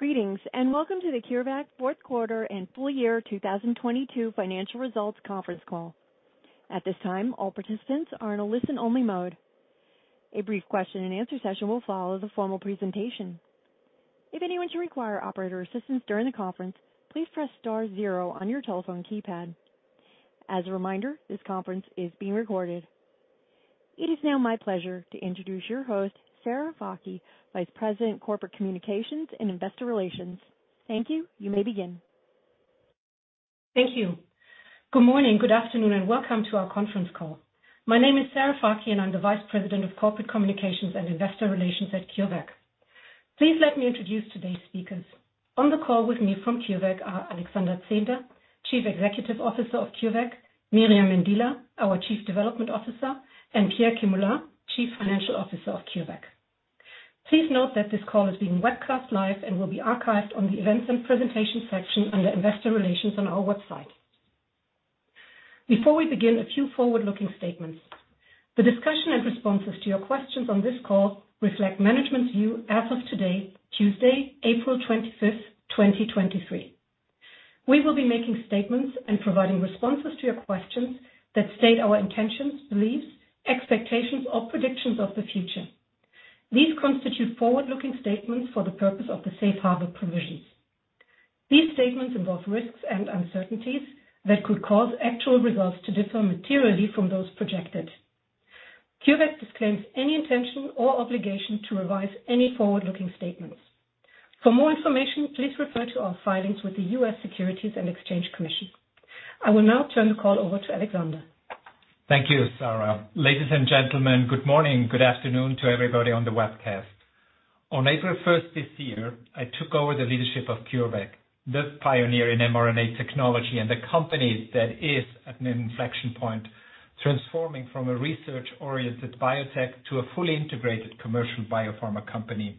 Greetings, welcome to the CureVac Fourth Quarter and Full Year 2022 Financial Results Conference Call. At this time, all participants are in a listen-only mode. A brief question-and-answer session will follow the formal presentation. If anyone should require operator assistance during the conference, please press star zero on your telephone keypad. As a reminder, this conference is being recorded. It is now my pleasure to introduce your host, Sarah Fakih, Vice President, Corporate Communications and Investor Relations. Thank you. You may begin. Thank you. Good morning, good afternoon, and welcome to our conference call. My name is Sarah Fakih, and I'm the Vice President of Corporate Communications and Investor Relations at CureVac. Please let me introduce today's speakers. On the call with me from CureVac are Alexander Zehnder, Chief Executive Officer of CureVac, Myriam Mendila, our Chief Development Officer, and Pierre Kemula, Chief Financial Officer of CureVac. Please note that this call is being webcast live and will be archived on the Events and Presentations section under Investor Relations on our website. Before we begin, a few forward-looking statements. The discussion and responses to your questions on this call reflect management's view as of today, Tuesday, 25th April, 2023. We will be making statements and providing responses to your questions that state our intentions, beliefs, expectations, or predictions of the future. These constitute forward-looking statements for the purpose of the safe harbor provisions. These statements involve risks and uncertainties that could cause actual results to differ materially from those projected. CureVac disclaims any intention or obligation to revise any forward-looking statements. For more information, please refer to our filings with the U.S. Securities and Exchange Commission. I will now turn the call over to Alexander. Thank you, Sarah. Ladies and gentlemen, good morning, good afternoon to everybody on the webcast. On 1st April this year, I took over the leadership of CureVac, the myNEO in mRNA technology and the company that is at an inflection point, transforming from a research-oriented biotech to a fully integrated commercial biopharma company.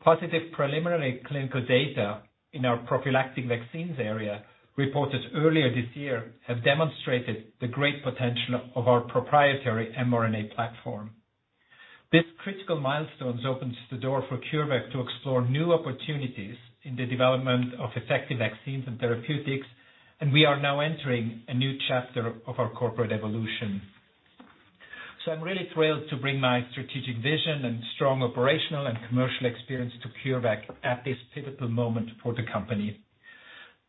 Positive preliminary clinical data in our prophylactic vaccines area reported earlier this year have demonstrated the great potential of our proprietary mRNA platform. This critical milestones opens the door for CureVac to explore new opportunities in the development of effective vaccines and therapeutics. We are now entering a new chapter of our corporate evolution. I'm really thrilled to bring my strategic vision and strong operational and commercial experience to CureVac at this pivotal moment for the company.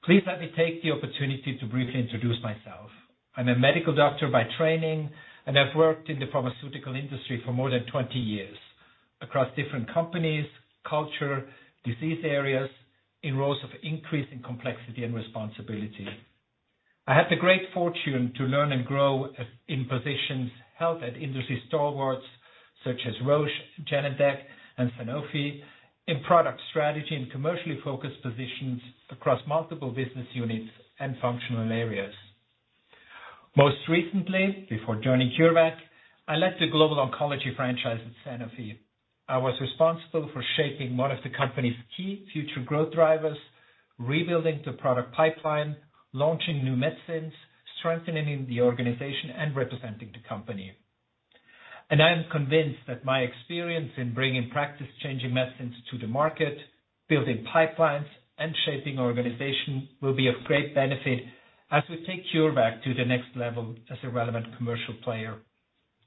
Please let me take the opportunity to briefly introduce myself. I'm a medical doctor by training, and I've worked in the pharmaceutical industry for more than 20 years across different companies, culture, disease areas in roles of increasing complexity and responsibility. I had the great fortune to learn and grow in positions held at industry stalwarts such as Roche, Genentech, and Sanofi in product strategy and commercially focused positions across multiple business units and functional areas. Most recently, before joining CureVac, I led the global oncology franchise at Sanofi. I was responsible for shaping one of the company's key future growth drivers, rebuilding the product pipeline, launching new medicines, strengthening the organization, and representing the company. I am convinced that my experience in bringing practice-changing medicines to the market, building pipelines, and shaping organization will be of great benefit as we take CureVac to the next level as a relevant commercial player.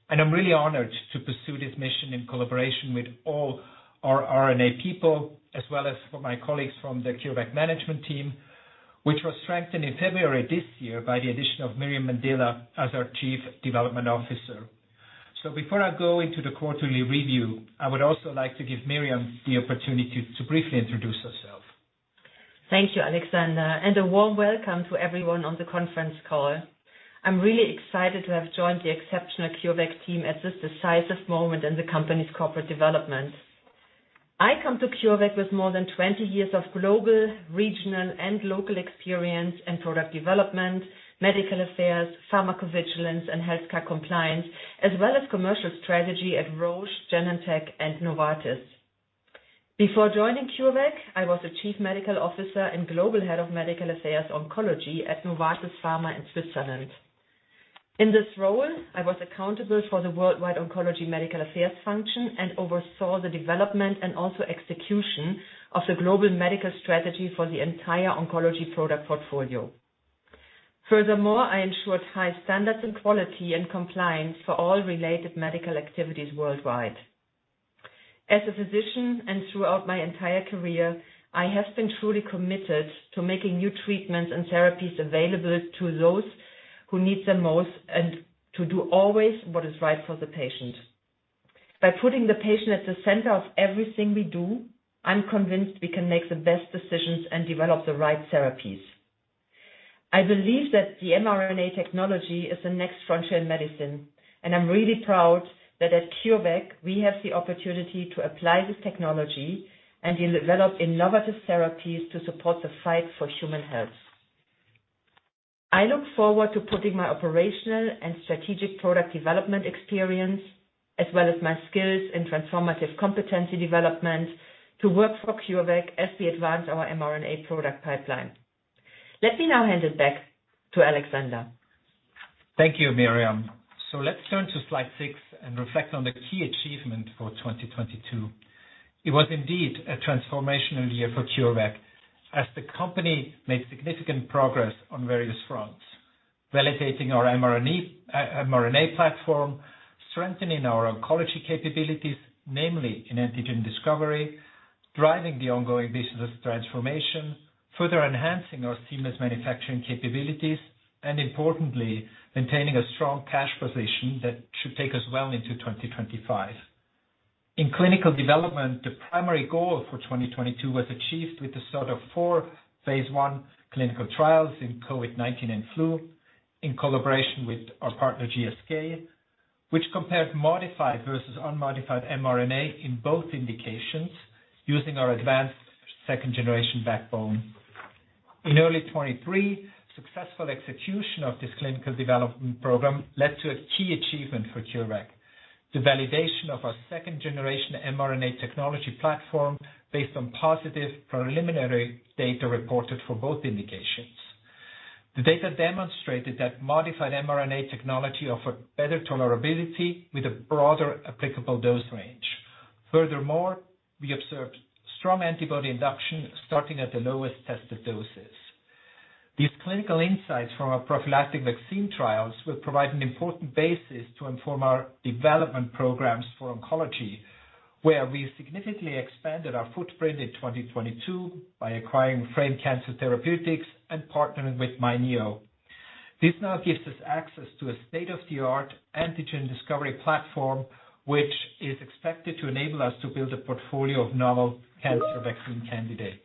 I'm really honored to pursue this mission in collaboration with all our RNA people, as well as for my colleagues from the CureVac management team, which was strengthened in February this year by the addition of Myriam Mendila as our Chief Development Officer. Before I go into the quarterly review, I would also like to give Myriam the opportunity to briefly introduce herself. Thank you, Alexander, and a warm welcome to everyone on the conference call. I'm really excited to have joined the exceptional CureVac team at this decisive moment in the company's corporate development. I come to CureVac with more than 20 years of global, regional, and local experience in product development, medical affairs, pharmacovigilance and healthcare compliance, as well as commercial strategy at Roche, Genentech, and Novartis. Before joining CureVac, I was the chief medical officer and global head of medical affairs oncology at Novartis Pharma in Switzerland. In this role, I was accountable for the worldwide oncology medical affairs function and oversaw the development and also execution of the global medical strategy for the entire oncology product portfolio. I ensured high standards in quality and compliance for all related medical activities worldwide. As a physician and throughout my entire career, I have been truly committed to making new treatments and therapies available to those who need them most and to do always what is right for the patient. By putting the patient at the center of everything we do, I'm convinced we can make the best decisions and develop the right therapies. I believe that the mRNA technology is the next frontier in medicine, and I'm really proud that at CureVac we have the opportunity to apply this technology and develop innovative therapies to support the fight for human health. I look forward to putting my operational and strategic product development experience, as well as my skills in transformative competency development to work for CureVac as we advance our mRNA product pipeline. Let me now hand it back to Alexander. Thank you, Myriam. Let's turn to slide six and reflect on the key achievement for 2022. It was indeed a transformational year for CureVac as the company made significant progress on various fronts, validating our mRNA platform, strengthening our oncology capabilities, namely in antigen discovery, driving the ongoing business transformation, further enhancing our seamless manufacturing capabilities and importantly, maintaining a strong cash position that should take us well into 2025. In clinical development, the primary goal for 2022 was achieved with the start of four phase I clinical trials in COVID-19 and flu in collaboration with our partner GSK, which compared modified versus unmodified mRNA in both indications using our advanced second generation backbone. In early 2023, successful execution of this clinical development program led to a key achievement for CureVac, the validation of our second-generation mRNA technology platform based on positive preliminary data reported for both indications. The data demonstrated that modified mRNA technology offered better tolerability with a broader applicable dose range. Furthermore, we observed strong antibody induction starting at the lowest tested doses. These clinical insights from our prophylactic vaccine trials will provide an important basis to inform our development programs for oncology, where we significantly expanded our footprint in 2022 by acquiring Frame Cancer Therapeutics and partnering with myNEO. This now gives us access to a state-of-the-art antigen discovery platform, which is expected to enable us to build a portfolio of novel cancer vaccine candidates.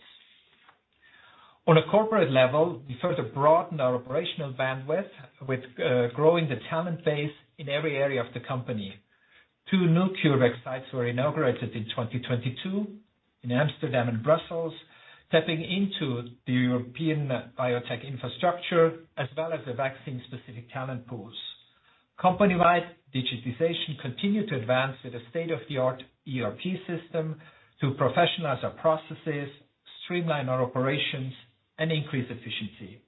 On a corporate level, we further broaden our operational bandwidth with growing the talent base in every area of the company. Two new CureVac sites were inaugurated in 2022 in Amsterdam and Brussels, tapping into the European biotech infrastructure as well as the vaccine specific talent pools. Company-wide, digitization continued to advance with a state-of-the-art ERP system to professionalize our processes, streamline our operations, and increase efficiency.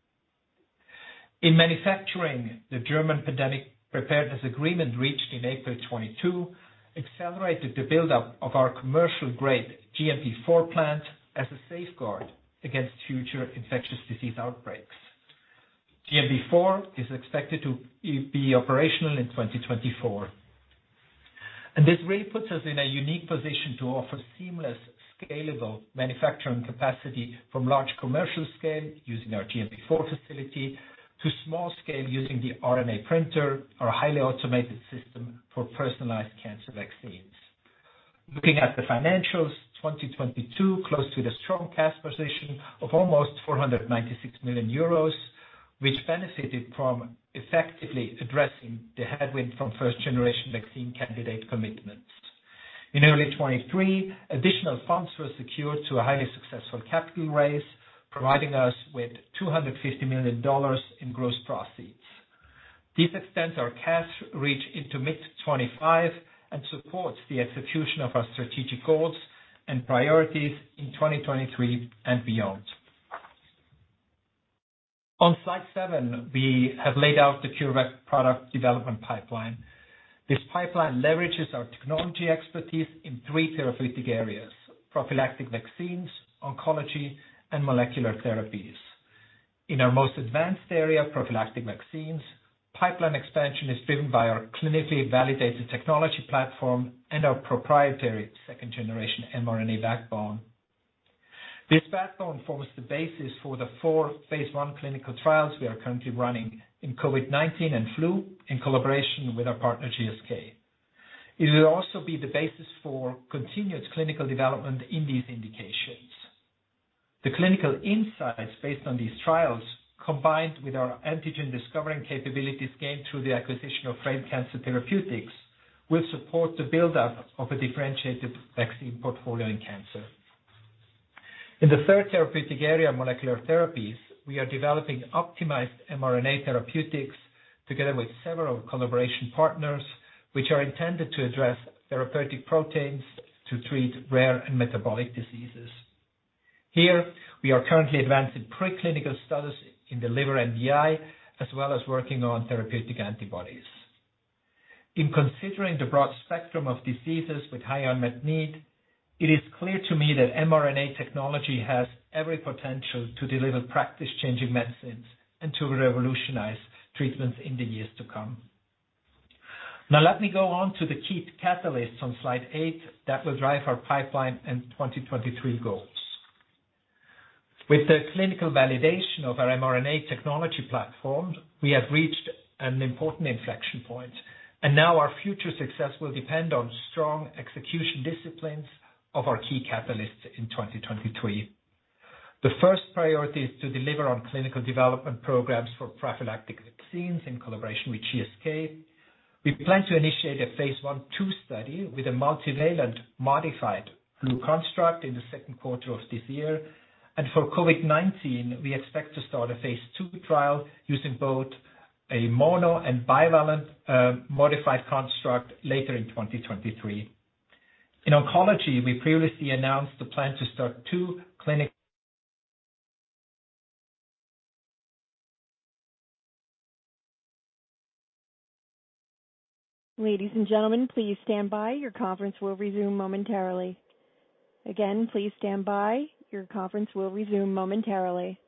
In manufacturing, the German Pandemic Preparedness Agreement, reached in April 2022, accelerated the buildup of our commercial grade GMP IV plant as a safeguard against future infectious disease outbreaks. GMP IV is expected to be operational in 2024. This really puts us in a unique position to offer seamless, scalable manufacturing capacity from large commercial scale using our GMP IV facility to small scale using The RNA Printer or a highly automated system for personalized cancer vaccines. Looking at the financials, 2022 closed with a strong cash position of almost 496 million euros, which benefited from effectively addressing the headwind from first-generation vaccine candidate commitments. In early 2023, additional funds were secured to a highly successful capital raise, providing us with $250 million in gross proceeds. This extends our cash reach into mid-2025 and supports the execution of our strategic goals and priorities in 2023 and beyond. On slide seven, we have laid out the CureVac product development pipeline. This pipeline leverages our technology expertise in three therapeutic areas: prophylactic vaccines, oncology, and molecular therapies. In our most advanced area, prophylactic vaccines, pipeline expansion is driven by our clinically validated technology platform and our proprietary second-generation mRNA backbone. This backbone forms the basis for the four phase I clinical trials we are currently running in COVID-19 and flu in collaboration with our partner GSK. It will also be the basis for continuous clinical development in these indications. The clinical insights based on these trials, combined with our antigen discovering capabilities gained through the acquisition of Frame Cancer Therapeutics, will support the buildup of a differentiated vaccine portfolio in cancer. In the third therapeutic area, molecular therapies, we are developing optimized mRNA therapeutics together with several collaboration partners, which are intended to address therapeutic proteins to treat rare and metabolic diseases. Here we are currently advancing preclinical studies in the liver NDI, as well as working on therapeutic antibodies. In considering the broad spectrum of diseases with high unmet need, it is clear to me that mRNA technology has every potential to deliver practice changing medicines and to revolutionize treatments in the years to come. Let me go on to the key catalysts on slide 8 that will drive our pipeline and 2023 goals. With the clinical validation of our mRNA technology platform, we have reached an important inflection point, now our future success will depend on strong execution disciplines of our key catalysts in 2023. The first priority is to deliver on clinical development programs for prophylactic vaccines in collaboration with GSK. We plan to initiate a phase I/II study with a multivalent modified flu construct in the second quarter of this year. For COVID-19, we expect to start a phase II trial using both a mono and bivalent modified construct later in 2023. In oncology, we previously announced the plan to start two clinical Ladies and gentlemen, please stand by. Your conference will resume momentarily. Again, please stand by. Your conference will resume momentarily.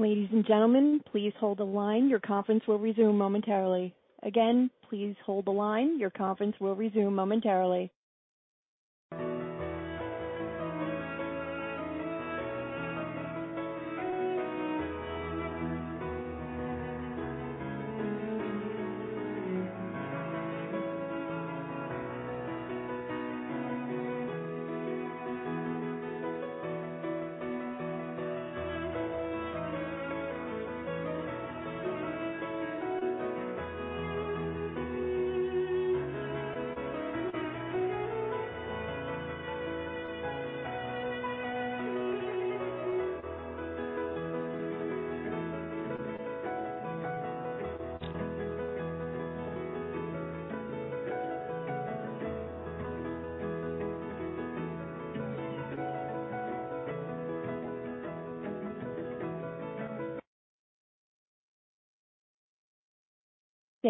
Ladies and gentlemen, please hold the line. Your conference will resume momentarily. Again, please hold the line. Your conference will resume momentarily.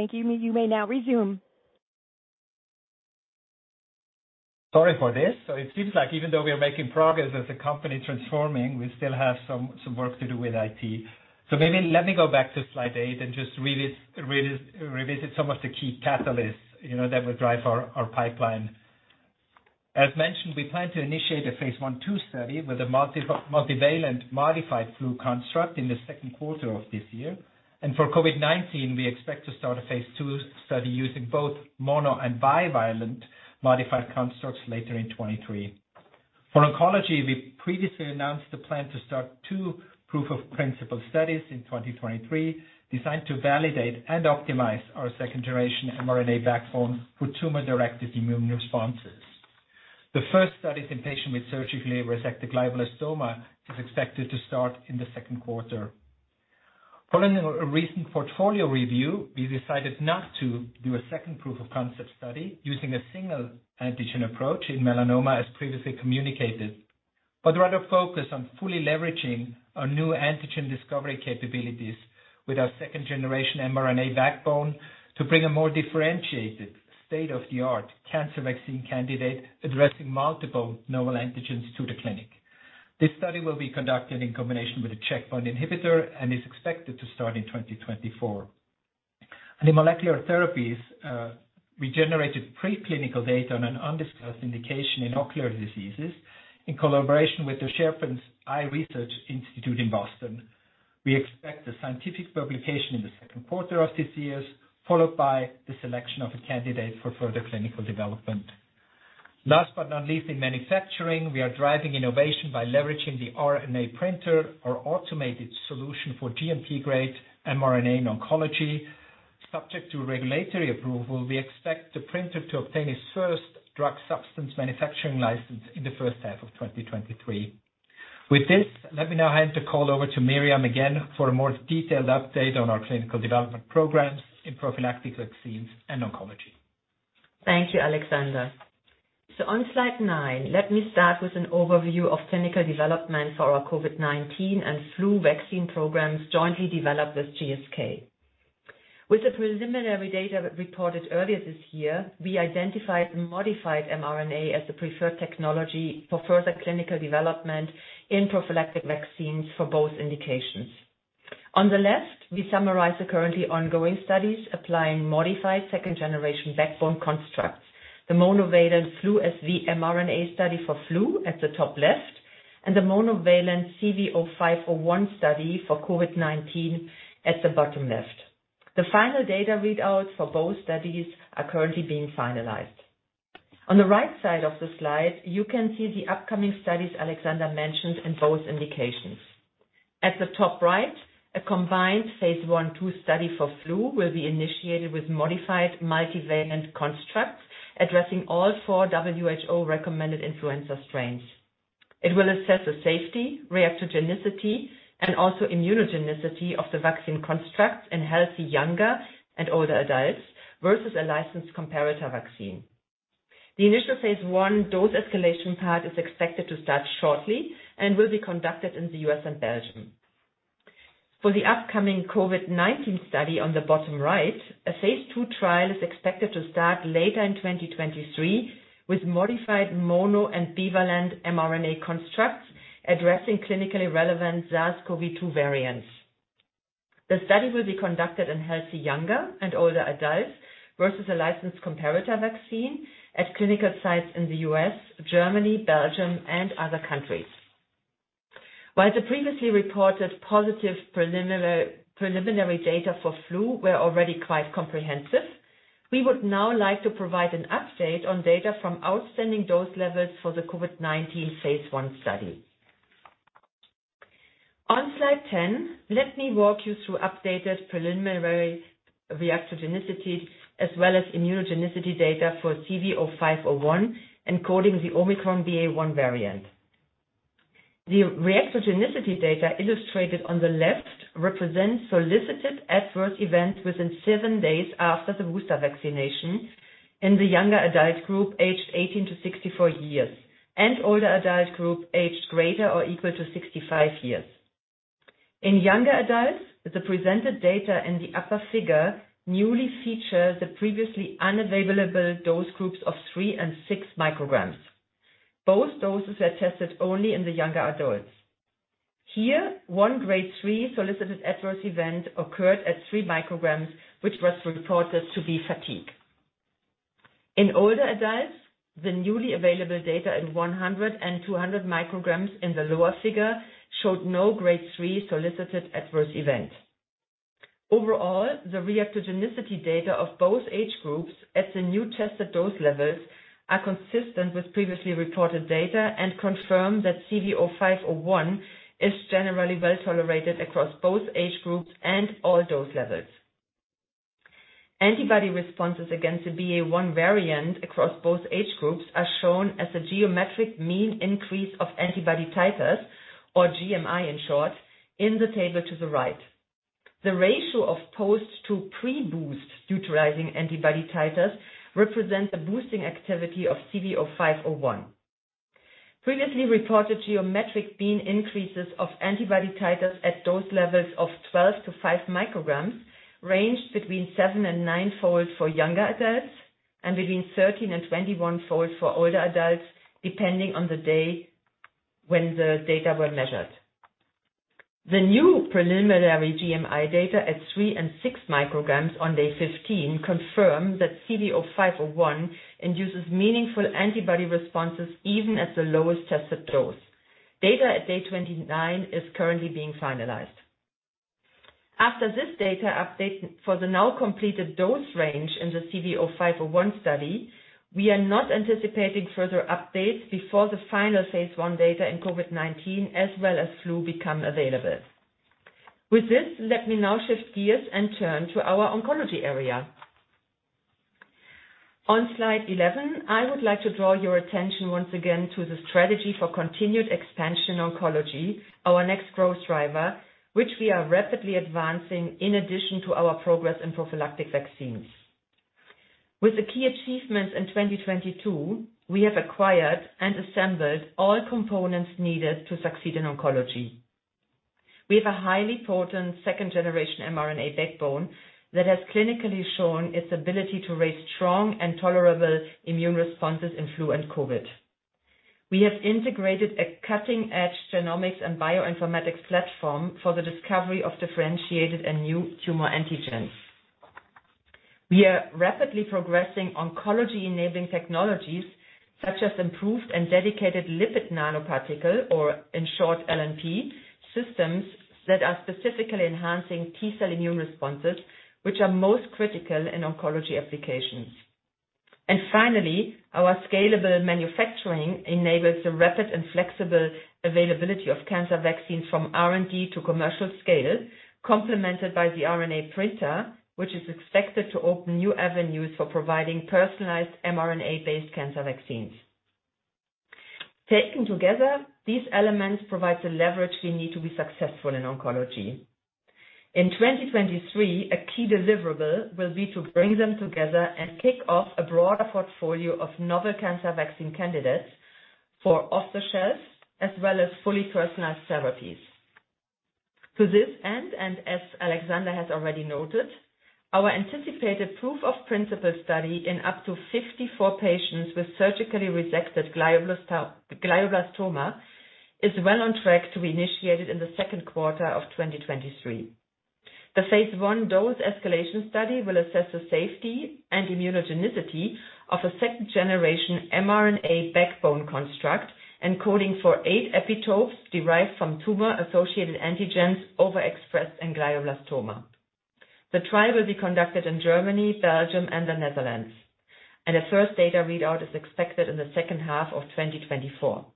Thank you. You may now resume. It seems like even though we are making progress as a company transforming, we still have some work to do with IT. Maybe let me go back to slide eight and just revisit some of the key catalysts, you know, that will drive our pipeline. As mentioned, we plan to initiate a phase I/2 study with a multivalent modified flu construct in the second quarter of this year. For COVID-19, we expect to start a phase II study using both mono and bivalent modified constructs later in 2023. For oncology, we previously announced the plan to start two proof of principle studies in 2023, designed to validate and optimize our second generation mRNA backbone for tumor-directed immune responses. The first study is in patients with surgically resected glioblastoma, is expected to start in the second quarter. Following a recent portfolio review, we decided not to do a second proof of concept study using a single antigen approach in melanoma as previously communicated, but rather focus on fully leveraging our new antigen discovery capabilities with our second generation mRNA backbone to bring a more differentiated state-of-the-art cancer vaccine candidate addressing multiple novel antigens to the clinic. This study will be conducted in combination with a checkpoint inhibitor and is expected to start in 2024. In molecular therapies, we generated preclinical data on an undisclosed indication in ocular diseases in collaboration with the Schepens Eye Research Institute in Boston. We expect the scientific publication in the second quarter of this year, followed by the selection of a candidate for further clinical development. Last but not least, in manufacturing, we are driving innovation by leveraging the RNA Printer, our automated solution for GMP-grade mRNA in oncology. Subject to regulatory approval, we expect The RNA Printer to obtain its first drug substance manufacturing license in the first half of 2023. With this, let me now hand the call over to Myriam again for a more detailed update on our clinical development programs in prophylactic vaccines and oncology. Thank you, Alexander. On slide nine, let me start with an overview of clinical development for our COVID-19 and flu vaccine programs jointly developed with GSK. With the preliminary data reported earlier this year, we identified modified mRNA as the preferred technology for further clinical development in prophylactic vaccines for both indications. On the left, we summarize the currently ongoing studies applying modified second generation backbone constructs. The monovalent Flu-SV-mRNA study for flu at the top left and the monovalent CV0501 study for COVID-19 at the bottom left. The final data readouts for both studies are currently being finalized. On the right side of the slide, you can see the upcoming studies Alexander mentioned in both indications. At the top right, a combined phase I, II study for flu will be initiated with modified multivalent constructs, addressing all four WHO recommended influenza strains. It will assess the safety, reactogenicity, and also immunogenicity of the vaccine constructs in healthy younger and older adults versus a licensed comparator vaccine. The initial phase I dose escalation part is expected to start shortly and will be conducted in the U.S. and Belgium. For the upcoming COVID-19 study on the bottom right, a phase II trial is expected to start later in 2023, with modified mono and bivalent mRNA constructs addressing clinically relevant SARS-CoV-2 variants. The study will be conducted in healthy younger and older adults versus a licensed comparator vaccine at clinical sites in the U.S., Germany, Belgium and other countries. While the previously reported positive preliminary data for flu were already quite comprehensive, we would now like to provide an update on data from outstanding dose levels for the COVID-19 phase I study. On slide 10, let me walk you through updated preliminary reactogenicity as well as immunogenicity data for CV0501, encoding the Omicron BA.1 variant. The reactogenicity data illustrated on the left represents solicited adverse events within seven days after the booster vaccination in the younger adult group aged 18-64 years and older adult group aged greater or equal to 65 years. In younger adults, the presented data in the upper figure newly features the previously unavailable dose groups of three and six micrograms. Both doses were tested only in the younger adults. Here, 1 Grade 3 solicited adverse event occurred at 3 micrograms, which was reported to be fatigue. In older adults, the newly available data in 100 and 200 micrograms in the lower figure showed no Grade 3 solicited adverse event. Overall, the reactogenicity data of both age groups at the new tested dose levels are consistent with previously reported data and confirm that CV0501 is generally well-tolerated across both age groups and all dose levels. Antibody responses against the BA.1 variant across both age groups are shown as a geometric mean increase of antibody titers, or GMI in short, in the table to the right. The ratio of post to pre-boost neutralizing antibody titers represents a boosting activity of CV0501. Previously reported geometric mean increases of antibody titers at dose levels of 12 to 5 micrograms ranged between 7 and 9-fold for younger adults and between 13 and 21-fold for older adults, depending on the day when the data were measured. The new preliminary GMI data at 3 and 6 micrograms on day 15 confirm that CV0501 induces meaningful antibody responses even at the lowest tested dose. Data at day 29 is currently being finalized. After this data update for the now completed dose range in the CV0501 study, we are not anticipating further updates before the final phase I data in COVID-19 as well as flu become available. With this, let me now shift gears and turn to our oncology area. On slide 11, I would like to draw your attention once again to the strategy for continued expansion oncology, our next growth driver, which we are rapidly advancing in addition to our progress in prophylactic vaccines. With the key achievements in 2022, we have acquired and assembled all components needed to succeed in oncology. We have a highly potent 2nd generation mRNA backbone that has clinically shown its ability to raise strong and tolerable immune responses in flu and COVID. We have integrated a cutting-edge genomics and bioinformatics platform for the discovery of differentiated and new tumor antigens. We are rapidly progressing oncology enabling technologies such as improved and dedicated lipid nanoparticle, or in short LNP, systems that are specifically enhancing T-cell immune responses which are most critical in oncology applications. Finally, our scalable manufacturing enables the rapid and flexible availability of cancer vaccines from R&D to commercial scale, complemented by The RNA Printer, which is expected to open new avenues for providing personalized mRNA-based cancer vaccines. Taken together, these elements provide the leverage we need to be successful in oncology. In 2023, a key deliverable will be to bring them together and kick off a broader portfolio of novel cancer vaccine candidates for off the shelf as well as fully personalized therapies. To this end, as Alexander has already noted, our anticipated proof of principle study in up to 54 patients with surgically rejected glioblastoma is well on track to be initiated in the second quarter of 2023. The phase I dose escalation study will assess the safety and immunogenicity of a second generation mRNA backbone construct encoding for 8 epitopes derived from tumor-associated antigens overexpressed in glioblastoma. The trial will be conducted in Germany, Belgium and the Netherlands. The first data readout is expected in the second half of 2024.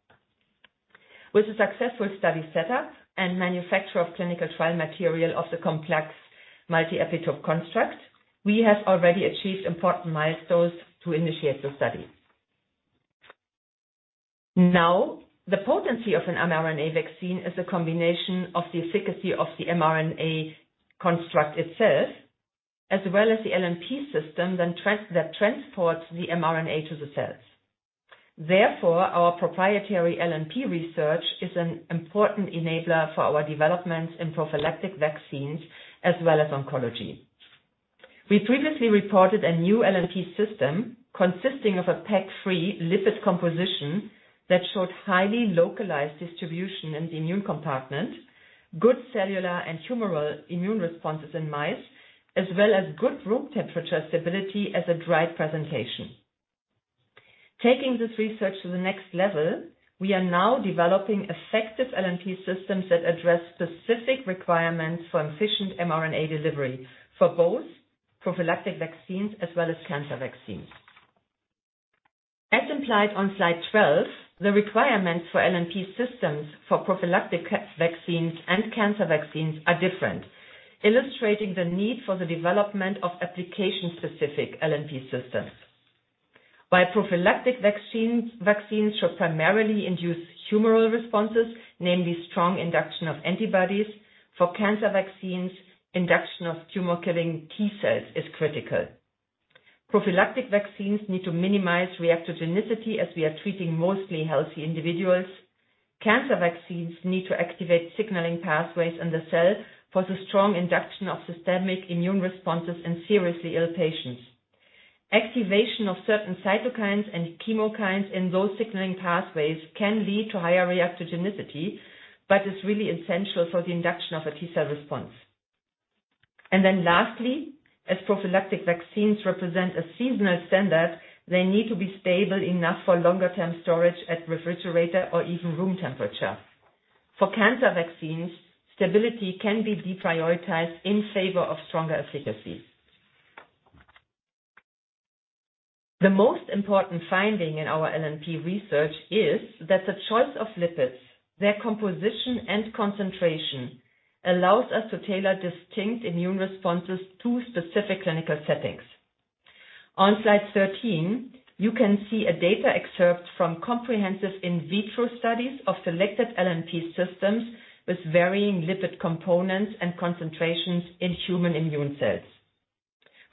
With a success study setup and manufacture of clinical trial material of the complex multi-epitope construct, we have already achieved important milestones to initiate the study. Now, the potency of an mRNA vaccine is a combination of the efficacy of the mRNA construct itself, as well as the LNP system that transports the mRNA to the cells. Therefore, our proprietary LNP research is an important enabler for our development in prophylactic vaccines as well as oncology. We previously reported a new LNP system consisting of a PEG-free lipid composition that showed highly localized distribution in the immune compartment, good cellular and humoral immune responses in mice, as well as good room temperature stability as a dried presentation. Taking this research to the next level, we are now developing effective LNP systems that address specific requirements for efficient mRNA delivery for both prophylactic vaccines as well as cancer vaccines. As implied on slide 12, the requirements for LNP systems for prophylactic vaccines and cancer vaccines are different, illustrating the need for the development of application-specific LNP systems. While prophylactic vaccines should primarily induce humoral responses, namely strong induction of antibodies, for cancer vaccines, induction of tumor-killing T-cells is critical. Prophylactic vaccines need to minimize reactogenicity as we are treating mostly healthy individuals. Cancer vaccines need to activate signaling pathways in the cell for the strong induction of systemic immune responses in seriously ill patients. Activation of certain cytokines and chemokines in those signaling pathways can lead to higher reactogenicity, but is really essential for the induction of a T-cell response. Lastly, as prophylactic vaccines represent a seasonal standard, they need to be stable enough for longer term storage at refrigerator or even room temperature. For cancer vaccines, stability can be deprioritized in favor of stronger efficacy. The most important finding in our LNP research is that the choice of lipids, their composition and concentration, allows us to tailor distinct immune responses to specific clinical settings. On slide 13, you can see a data excerpt from comprehensive in vitro studies of selected LNP systems with varying lipid components and concentrations in human immune cells.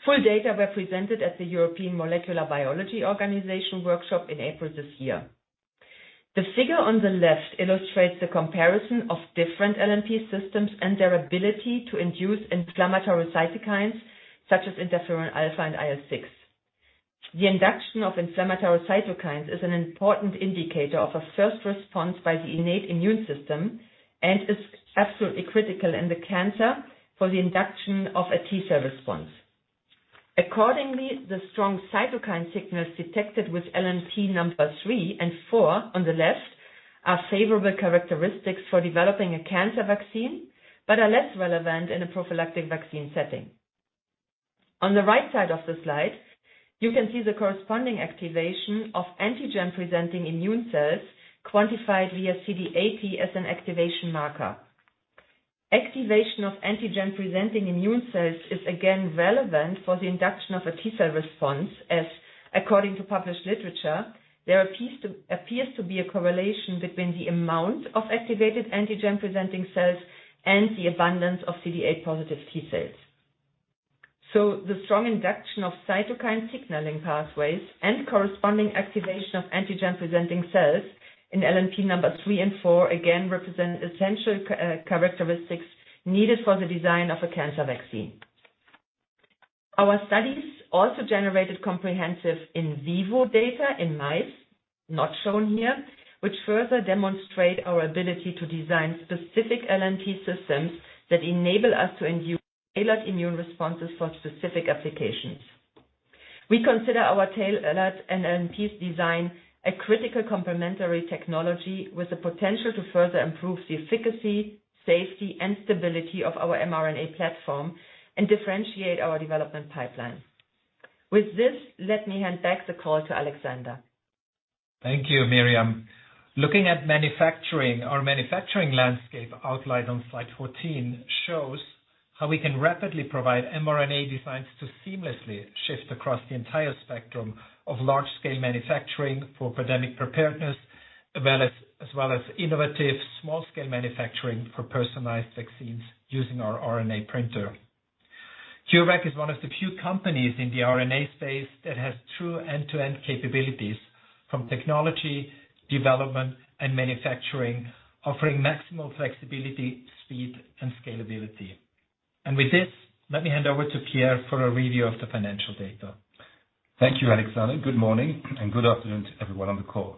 Full data were presented at the European Molecular Biology Organization workshop in April this year. The figure on the left illustrates the comparison of different LNP systems and their ability to induce inflammatory cytokines, such as interferon alpha and IL-6. The induction of inflammatory cytokines is an important indicator of a first response by the innate immune system, and is absolutely critical in the cancer for the induction of a T-cell response. Accordingly, the strong cytokine signals detected with LNP number three and four on the left are favorable characteristics for developing a cancer vaccine, but are less relevant in a prophylactic vaccine setting. On the right side of the slide, you can see the corresponding activation of antigen-presenting immune cells quantified via CD80 as an activation marker. Activation of antigen-presenting immune cells is again relevant for the induction of a T-cell response as, according to published literature, there appears to be a correlation between the amount of activated antigen-presenting cells and the abundance of CD8 positive T-cells. The strong induction of cytokine signaling pathways and corresponding activation of antigen-presenting cells in LNP number three and four, again, represent essential characteristics needed for the design of a cancer vaccine. Our studies also generated comprehensive in vivo data in mice, not shown here, which further demonstrate our ability to design specific LNP systems that enable us to induce tailored immune responses for specific applications. We consider our tail alert and LNP's design a critical complementary technology with the potential to further improve the efficacy, safety, and stability of our mRNA platform and differentiate our development pipeline. With this, let me hand back the call to Alexander. Thank you, Myriam. Looking at manufacturing, our manufacturing landscape outlined on slide 14 shows how we can rapidly provide mRNA designs to seamlessly shift across the entire spectrum of large scale manufacturing for pandemic preparedness, as well as innovative small scale manufacturing for personalized vaccines using our RNA Printer. CureVac is one of the few companies in the RNA space that has true end-to-end capabilities from technology, development and manufacturing, offering maximum flexibility, speed and scalability. With this, let me hand over to Pierre for a review of the financial data. Thank you, Alexander. Good morning and good afternoon to everyone on the call.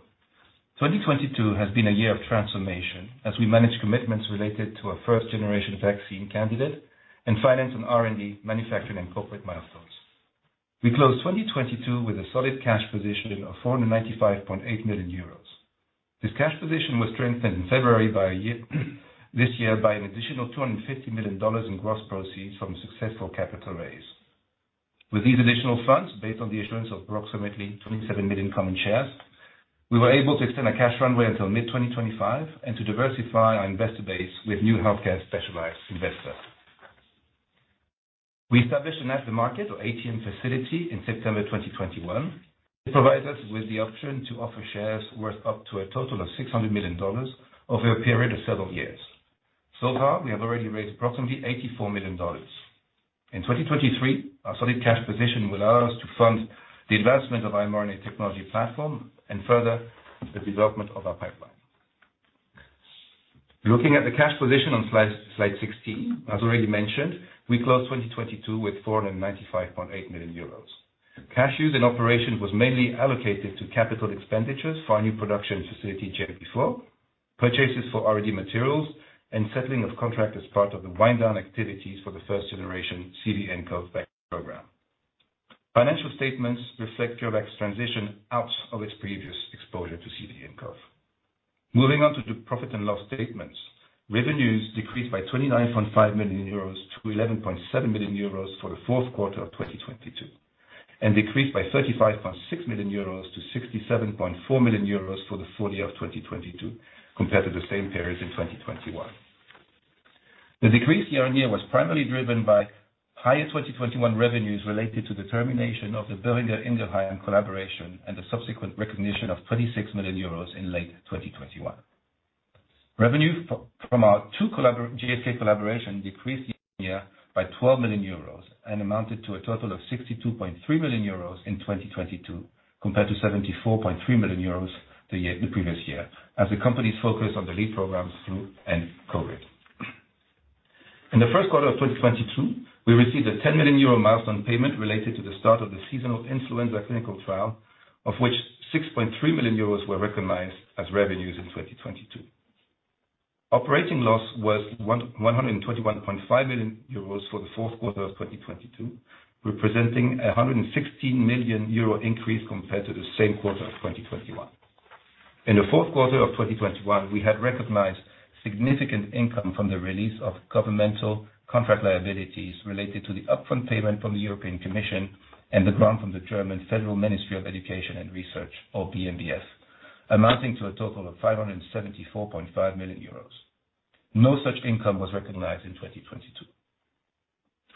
2022 has been a year of transformation as we manage commitments related to our first generation vaccine candidate and finance on R&D, manufacturing and corporate milestones. We closed 2022 with a solid cash position of 495.8 million euros. This cash position was strengthened in February this year by an additional $250 million in gross proceeds from a successful capital raise. With these additional funds, based on the issuance of approximately 27 million common shares, we were able to extend our cash runway until mid-2025 and to diversify our investor base with new healthcare specialized investors. We established an after-market or ATM facility in September 2021. It provides us with the option to offer shares worth up to a total of $600 million over a period of several years. Far, we have already raised approximately $84 million. In 2023, our solid cash position will allow us to fund the investment of our mRNA technology platform and further the development of our pipeline. Looking at the cash position on slide 16, as already mentioned, we closed 2022 with 495.8 million euros. Cash use in operation was mainly allocated to capital expenditures for our new production facility in Jettenburg, purchases for R&D materials, and settling of contract as part of the wind down activities for the first generation CVnCoV vaccine program. Financial statements reflect CureVac's transition out of its previous exposure to CVnCoV. Moving on to the profit and loss statements. Revenues decreased by 29.5 million euros to 11.7 million euros for the fourth quarter of 2022, and decreased by 35.6 million euros to 67.4 million euros for the full year of 2022 compared to the same period in 2021. The decrease year-on-year was primarily driven by higher 2021 revenues related to the termination of the Boehringer Ingelheim collaboration and the subsequent recognition of 26 million euros in late 2021. Revenue from our two collabor- GSK collaboration decreased year-on-year by 12 million euros and amounted to a total of 62.3 million euros in 2022, compared to 74.3 million euros the year the previous year, as the company's focus on the lead programs flu and COVID. In the first quarter of 2022, we received a 10 million euro milestone payment related to the start of the seasonal influenza clinical trial, of which 6.3 million euros were recognized as revenues in 2022. Operating loss was one, 121.5 million euros for the fourth quarter of 2022, representing a 116 million euro increase compared to the same quarter of 2021. In the fourth quarter of 2021, we had recognized significant income from the release of governmental contract liabilities related to the upfront payment from the European Commission and the grant from the German Federal Ministry of Education and Research, or BMBF, amounting to a total of 574.5 million euros. No such income was recognized in 2022.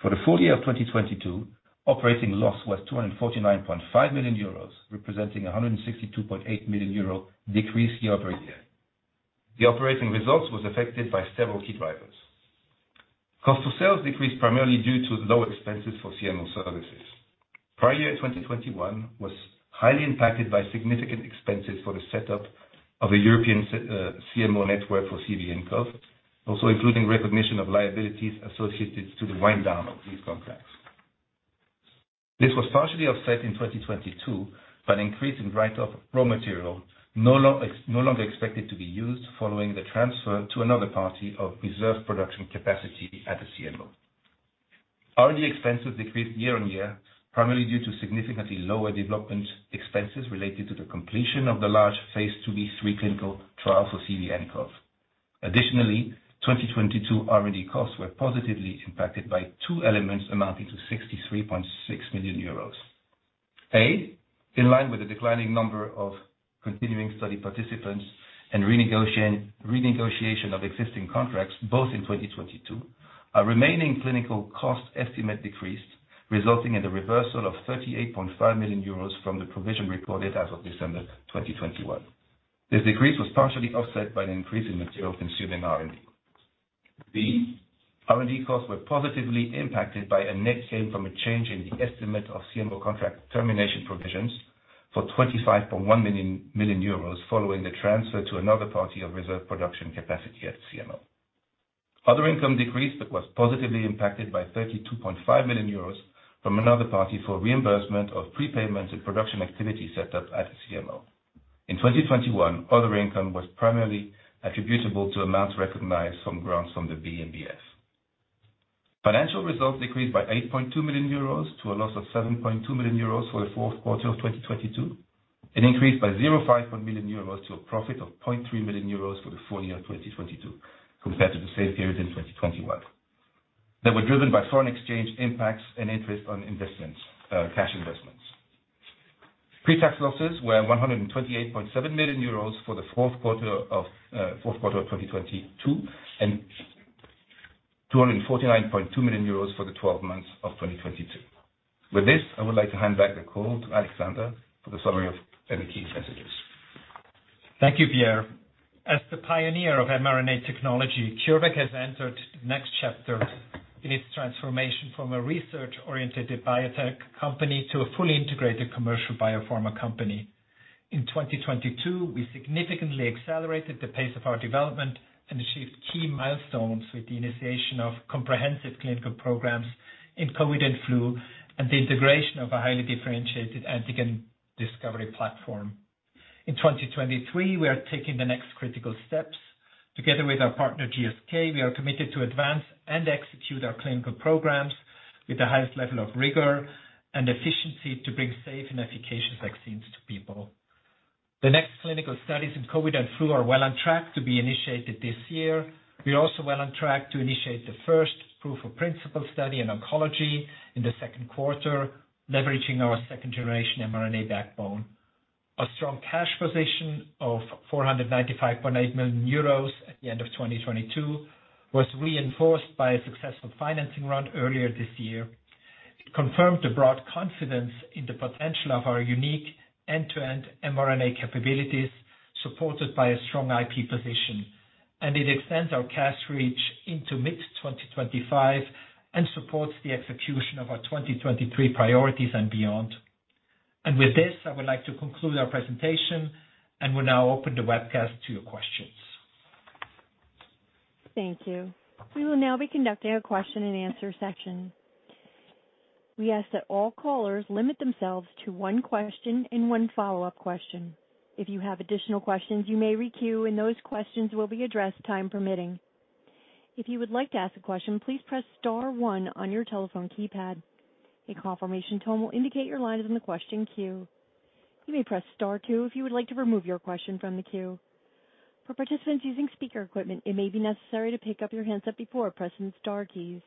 For the full year of 2022, operating loss was 249.5 million euros, representing a 162.8 million euro decrease year-over-year. The operating results was affected by several key drivers. Cost of sales decreased primarily due to lower expenses for CMO services. Prior year 2021 was highly impacted by significant expenses for the setup of a European CMO network for CVnCoV, also including recognition of liabilities associated to the wind down of these contracts. This was partially offset in 2022 by an increase in write-off of raw material, no longer expected to be used following the transfer to another party of reserved production capacity at the CMO. R&D expenses decreased year-on-year, primarily due to significantly lower development expenses related to the completion of the large phase IIb3 clinical trial for CVnCoV. Additionally, 2022 R&D costs were positively impacted by two elements amounting to 63.6 million euros. A, in line with the declining number of continuing study participants and renegotiation of existing contracts, both in 2022, our remaining clinical cost estimate decreased, resulting in the reversal of 38.5 million euros from the provision recorded as of December 2021. This decrease was partially offset by an increase in material consuming R&D. B, R&D costs were positively impacted by a net gain from a change in the estimate of CMO contract termination provisions for 25.1 million euros following the transfer to another party of reserve production capacity at CMO. Other income decreased but was positively impacted by 32.5 million euros from another party for reimbursement of prepayments and production activity set up at CMO. In 2021, other income was primarily attributable to amounts recognized from grants from the BMBF. Financial results decreased by 8.2 million euros to a loss of 7.2 million euros for the fourth quarter of 2022, and increased by 0.5 million euros to a profit of 0.3 million euros for the full year of 2022 compared to the same period in 2021. They were driven by foreign exchange impacts and interest on cash investments. Pre-tax losses were 128.7 million euros for the fourth quarter of 2022, and 249.2 million euros for the 12 months of 2022. With this, I would like to hand back the call to Alexander for the summary of any key messages. Thank you, Pierre. As the myNEO of mRNA technology, CureVac has entered the next chapter in its transformation from a research-oriented biotech company to a fully integrated commercial biopharma company. In 2022, we significantly accelerated the pace of our development and achieved key milestones with the initiation of comprehensive clinical programs in COVID and flu, and the integration of a highly differentiated antigen discovery platform. In 2023, we are taking the next critical steps. Together with our partner, GSK, we are committed to advance and execute our clinical programs with the highest level of rigor and efficiency to bring safe and efficacious vaccines to people. The next clinical studies in COVID and flu are well on track to be initiated this year. We are also well on track to initiate the first proof of principle study in oncology in the second quarter, leveraging our second generation mRNA backbone. A strong cash position of 495.8 million euros at the end of 2022 was reinforced by a successful financing run earlier this year. It confirmed the broad confidence in the potential of our unique end-to-end mRNA capabilities, supported by a strong IP position. It extends our cash reach into mid 2025 and supports the execution of our 2023 priorities and beyond. With this, I would like to conclude our presentation and will now open the webcast to your questions. Thank you. We will now be conducting a question-and-answer section. We ask that all callers limit themselves to one question and one follow-up question. If you have additional questions, you may re-queue, and those questions will be addressed time permitting. If you would like to ask a question, please press star one on your telephone keypad. A confirmation tone will indicate your line is in the question queue. You may press star two if you would like to remove your question from the queue. For participants using speaker equipment, it may be necessary to pick up your handset before pressing the star keys.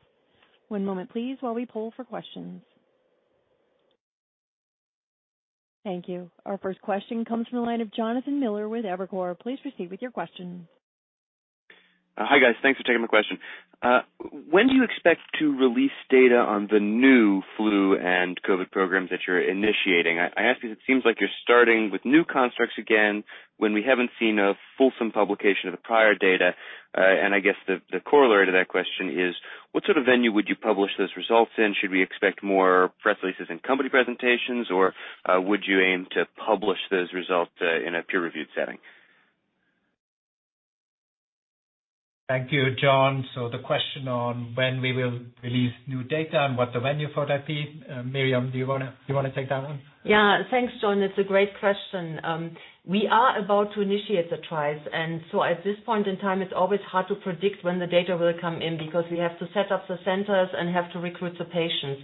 One moment please while we poll for questions. Thank you. Our first question comes from the line of Jonathan Miller with Evercore. Please proceed with your question. Hi, guys. Thanks for taking my question. When do you expect to release data on the new flu and COVID programs that you're initiating? I ask because it seems like you're starting with new constructs again, when we haven't seen a fulsome publication of the prior data. I guess the corollary to that question is, what sort of venue would you publish those results in? Should we expect more press releases and company presentations, or, would you aim to publish those results, in a peer-reviewed setting? Thank you, John. The question on when we will release new data and what the venue for that be. Myriam, do you wanna take that one? Yeah. Thanks, John. It's a great question. We are about to initiate the trials. At this point in time, it's always hard to predict when the data will come in because we have to set up the centers and have to recruit the patients.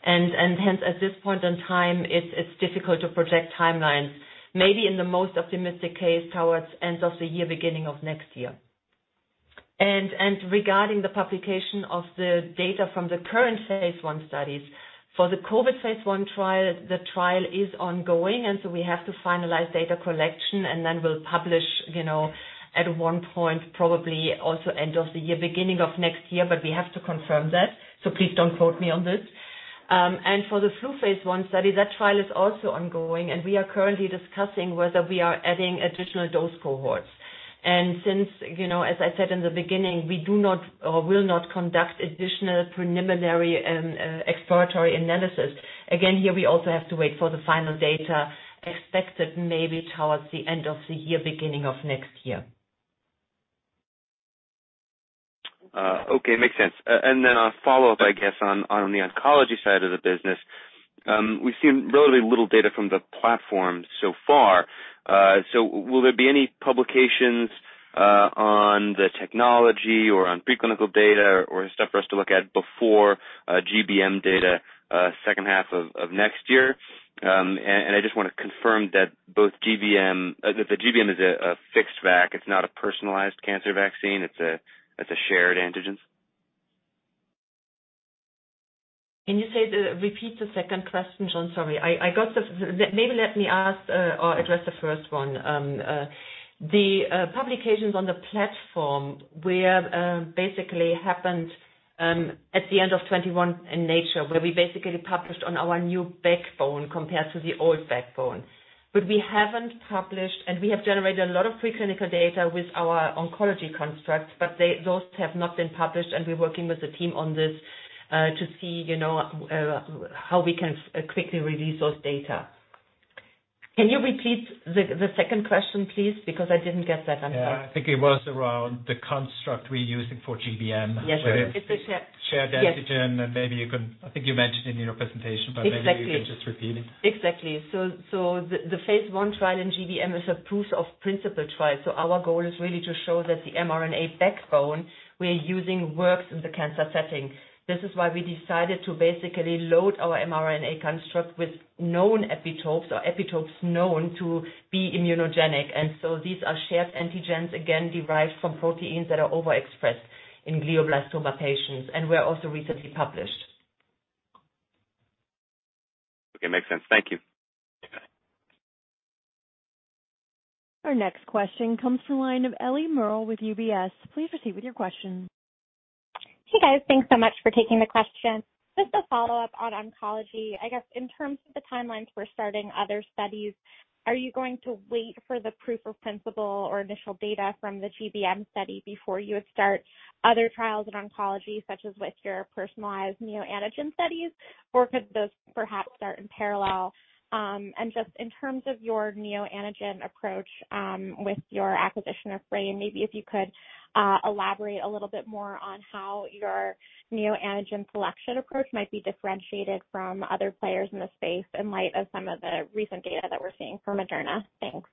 Hence, at this point in time, it's difficult to project timelines. Maybe in the most optimistic case, towards end of the year, beginning of next year. Regarding the publication of the data from the current phase one studies, for the COVID phase one trial, the trial is ongoing, and so we have to finalize data collection, and then we'll publish, you know, at one point, probably also end of the year, beginning of next year, but we have to confirm that. Please don't quote me on this. For the flu phase I study, that trial is also ongoing, and we are currently discussing whether we are adding additional dose cohorts. Since, you know, as I said in the beginning, we do not or will not conduct additional preliminary exploratory analysis. Again, here we also have to wait for the final data expected maybe towards the end of the year, beginning of next year. Okay. Makes sense. Then a follow-up, I guess, on the oncology side of the business. We've seen relatively little data from the platform so far. Will there be any publications on the technology or on pre-clinical data or stuff for us to look at before GBM data second half of next year? I just want to confirm that the GBM is a fixed vac. It's not a personalized cancer vaccine. It's a shared antigens. Can you repeat the second question, John? Sorry. Maybe let me ask or address the first one. The publications on the platform were basically happened at the end of 2021 in Nature, where we basically published on our new backbone compared to the old backbone. We haven't published, and we have generated a lot of pre-clinical data with our oncology constructs, but those have not been published, and we're working with the team on this, to see, you know, how we can quickly release those data. Can you repeat the second question, please? Because I didn't get that, I'm sorry. Yeah. I think it was around the construct we're using for GBM. Yes. Where it's a shared antigen. Yes. I think you mentioned it in your presentation. Exactly. Maybe you can just repeat it. Exactly. The phase I trial in GBM is a proof of principle trial. Our goal is really to show that the mRNA backbone we're using works in the cancer setting. This is why we decided to basically load our mRNA construct with known epitopes or epitopes known to be immunogenic. These are shared antigens, again, derived from proteins that are overexpressed in glioblastoma patients and were also recently published. Okay. Makes sense. Thank you. Bye. Our next question comes from the line of Ellie Merle with UBS. Please proceed with your question. Hey, guys. Thanks so much for taking the question. Just a follow-up on oncology. I guess in terms of the timelines for starting other studies, are you going to wait for the proof of principle or initial data from the GBM study before you would start other trials in oncology, such as with your personalized neoantigen studies, or could those perhaps start in parallel? Just in terms of your neoantigen approach, with your acquisition of Frame, maybe if you could elaborate a little bit more on how your neoantigen selection approach might be differentiated from other players in the space in light of some of the recent data that we're seeing from Moderna. Thanks.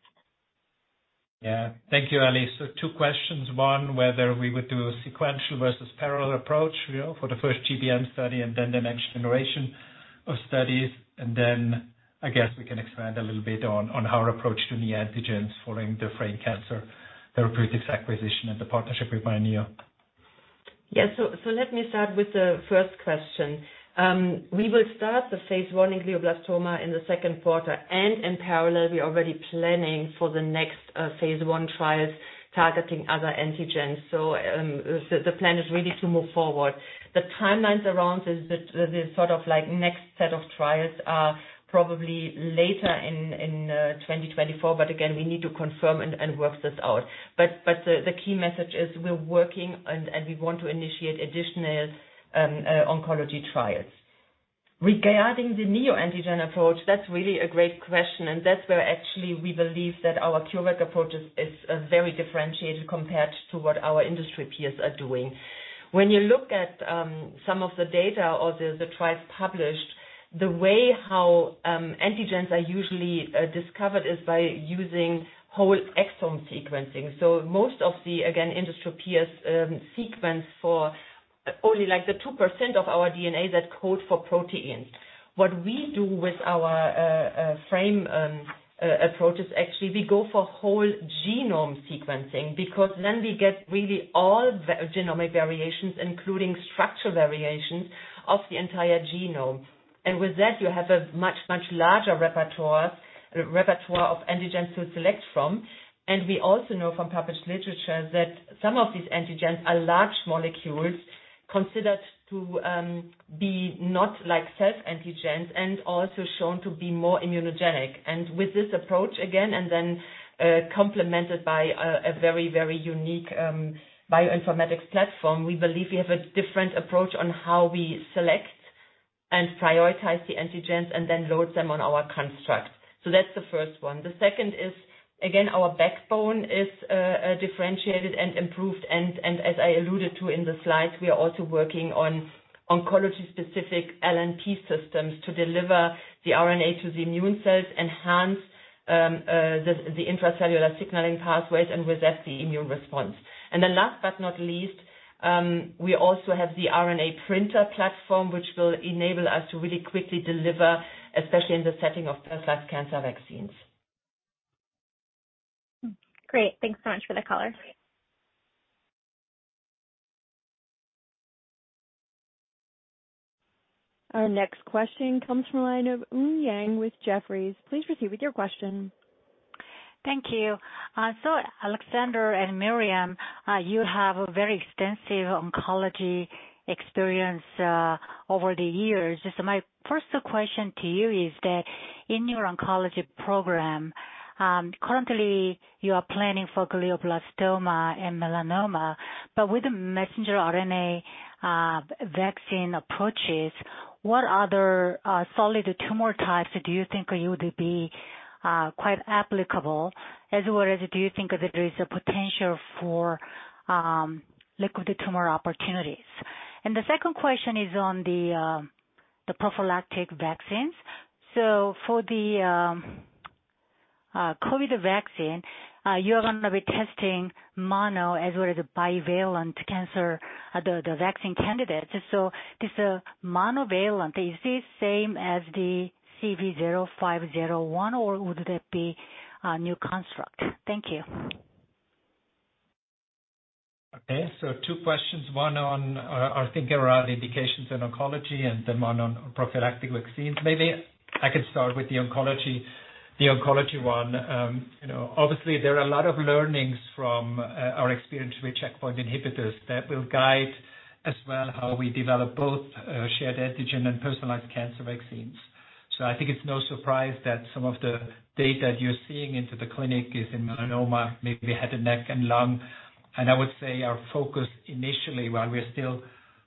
Yeah. Thank you, Elliei. Two questions. One, whether we would do a sequential versus parallel approach, you know, for the first GBM study and then the next generation of studies. I guess we can expand a little bit on our approach to neoantigens following the Frame Cancer Therapeutics acquisition and the partnership with myNEO. Yes. Let me start with the first question. We will start the phase I in glioblastoma in the second quarter. In parallel, we are already planning for the next phase I trials targeting other antigens. The plan is really to move forward. The timelines around this, the sort of like next set of trials are probably later in 2024. Again, we need to confirm and work this out. The key message is we're working and we want to initiate additional oncology trials. Regarding the neoantigen approach, that's really a great question, and that's where actually we believe that our CureVac approach is very differentiated compared to what our industry peers are doing. When you look at some of the data or the trials published, the way how antigens are usually discovered is by using whole exome sequencing. Most of the, again, industry peers, sequence for only like the 2% of our DNA that code for proteins. What we do with our Frame approach is actually we go for whole genome sequencing, because then we get really all genomic variations, including structural variations of the entire genome. With that, you have a much, much larger repertoire of antigens to select from. We also know from published literature that some of these antigens are large molecules considered to be not like self-antigens and also shown to be more immunogenic. With this approach again, and then, complemented by a very, very unique bioinformatics platform, we believe we have a different approach on how we select and prioritize the antigens and then load them on our constructs. That's the first one. The second is, again, our backbone is differentiated and improved. As I alluded to in the slides, we are also working on oncology-specific LNP systems to deliver the RNA to the immune cells, enhance the intracellular signaling pathways, and with that, the immune response. Last but not least, we also have The RNA Printer platform, which will enable us to really quickly deliver, especially in the setting of personalized cancer vaccines. Great. Thanks so much for the color. Our next question comes from the line of Eun Yang with Jefferies. Please proceed with your question. Thank you. So Alexander and Myriam, you have a very extensive oncology experience over the years. So my first question to you is that in your oncology program, currently you are planning for glioblastoma and melanoma, but with the messenger RNA vaccine approaches, what other solid tumor types do you think would be quite applicable? As well as do you think that there is a potential for liquid tumor opportunities? And the second question is on the prophylactic vaccines. So for the COVID vaccine, you are going to be testing mono as well as a bivalent cancer, the vaccine candidate. So this monovalent, is this same as the CV0501, or would that be a new construct? Thank you. Okay. Two questions. One on, I think around indications in oncology then one on prophylactic vaccines. Maybe I can start with the oncology one. You know, obviously there are a lot of learnings from our experience with checkpoint inhibitors that will guide as well how we develop both shared antigen and personalized cancer vaccines. I think it's no surprise that some of the data you're seeing into the clinic is in melanoma, maybe head and neck, and lung. I would say our focus initially, while we're still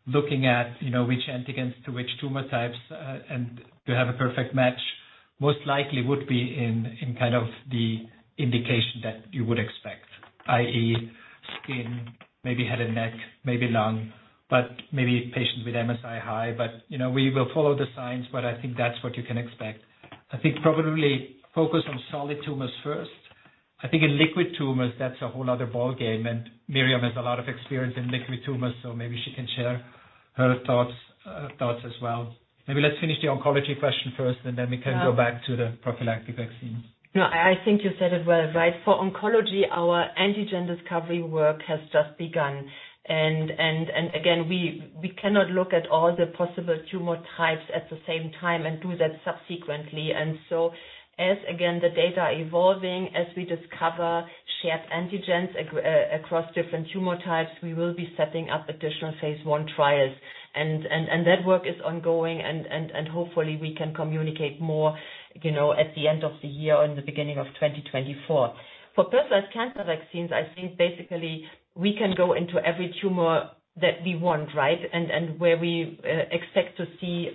looking at, you know, which antigens to which tumor types and to have a perfect match, most likely would be in kind of the indication that you would expect, i.e., skin, maybe head and neck, maybe lung, but maybe patients with MSI-high. You know, we will follow the science, but I think that's what you can expect. I think probably focus on solid tumors first. I think in liquid tumors, that's a whole other ballgame, and Myriam has a lot of experience in liquid tumors, so maybe she can share her thoughts as well. Maybe let's finish the oncology question first, and then we can go back to the prophylactic vaccines. No, I think you said it well, right. For oncology, our antigen discovery work has just begun. Again, we cannot look at all the possible tumor types at the same time and do that subsequently. As again, the data are evolving, as we discover shared antigens across different tumor types, we will be setting up additional phase I trials. That work is ongoing and hopefully we can communicate more, you know, at the end of the year or in the beginning of 2024. For personalized cancer vaccines, I think basically we can go into every tumor that we want, right? Where we expect to see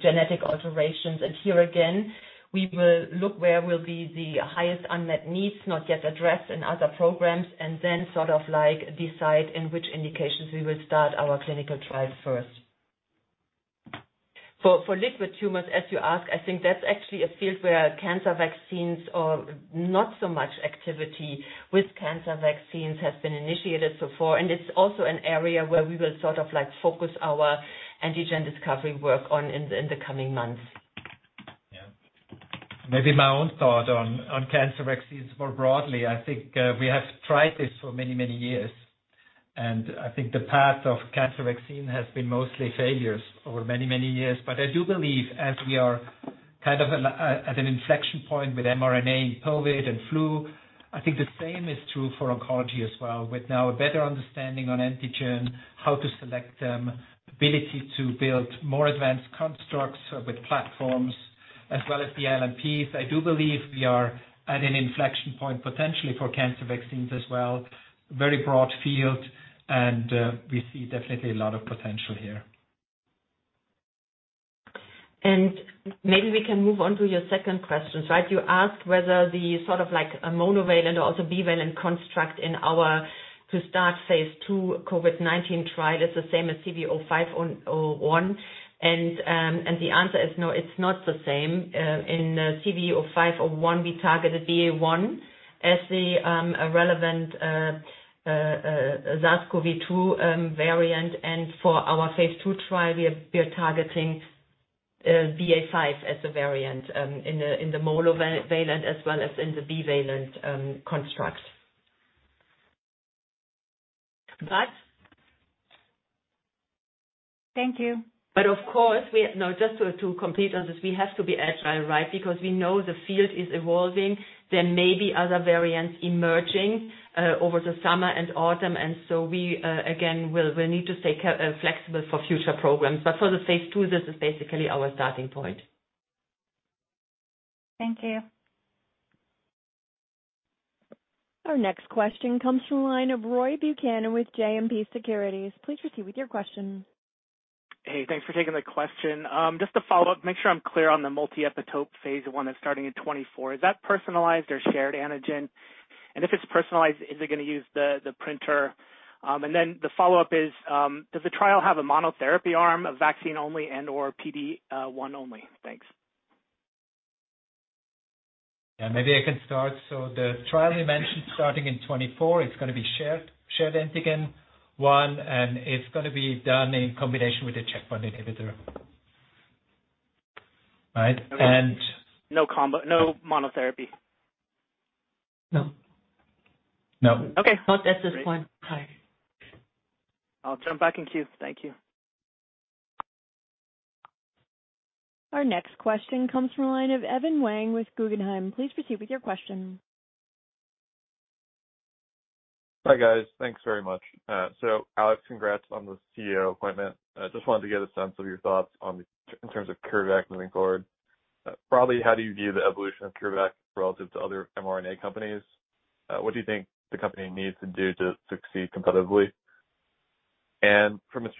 genetic alterations. Here again, we will look where will be the highest unmet needs not yet addressed in other programs, and then sort of like decide in which indications we will start our clinical trials first. For liquid tumors, as you ask, I think that's actually a field where cancer vaccines are not so much activity with cancer vaccines has been initiated so far, and it's also an area where we will sort of like focus our antigen discovery work on in the coming months. Yeah. Maybe my own thought on cancer vaccines more broadly. I think, we have tried this for many, many years. I think the path of cancer vaccine has been mostly failures over many, many years. I do believe as we are kind of at an inflection point with mRNA and COVID and flu, I think the same is true for oncology as well. With now a better understanding on antigen, how to select them, ability to build more advanced constructs with platforms as well as the LNPs. I do believe we are at an inflection point potentially for cancer vaccines as well. Very broad field, and, we see definitely a lot of potential here. Maybe we can move on to your second question, right? You asked whether the sort of like a monovalent or the bivalent construct in our to start phase two COVID-19 trial is the same as CV0501. The answer is no, it's not the same. In CV0501, we targeted BA.1 as the relevant SARS-CoV-2 variant. For our phase two trial, we are targeting BA.5 as a variant in the monovalent as well as in the bivalent construct. Thank you. Of course, No, just to complete on this, we have to be agile, right? Because we know the field is evolving. There may be other variants emerging over the summer and autumn, we again need to stay flexible for future programs. For the phase II, this is basically our starting point. Thank you. Our next question comes from the line of Roy Buchanan with JMP Securities. Please proceed with your question. Hey, thanks for taking the question. Just to follow up, make sure I'm clear on the multi-epitope phase I that's starting in 2024. Is that personalized or shared antigen? If it's personalized, is it gonna use the Printer? The follow-up is, does the trial have a monotherapy arm, a vaccine only and/or PD-1 only? Thanks. Yeah, maybe I can start. The trial you mentioned starting in 2024, it's gonna be shared antigen 1, and it's gonna be done in combination with the checkpoint inhibitor. Right. No monotherapy? No. No. Okay. Not at this point. Great. Sorry. I'll jump back in queue. Thank you. Our next question comes from a line of Evan Wang with Guggenheim. Please proceed with your question. Hi, guys. Thanks very much. Alex, congrats on the CEO appointment. I just wanted to get a sense of your thoughts in terms of CureVac moving forward. Probably how do you view the evolution of CureVac relative to other mRNA companies? What do you think the company needs to do to succeed competitively? From a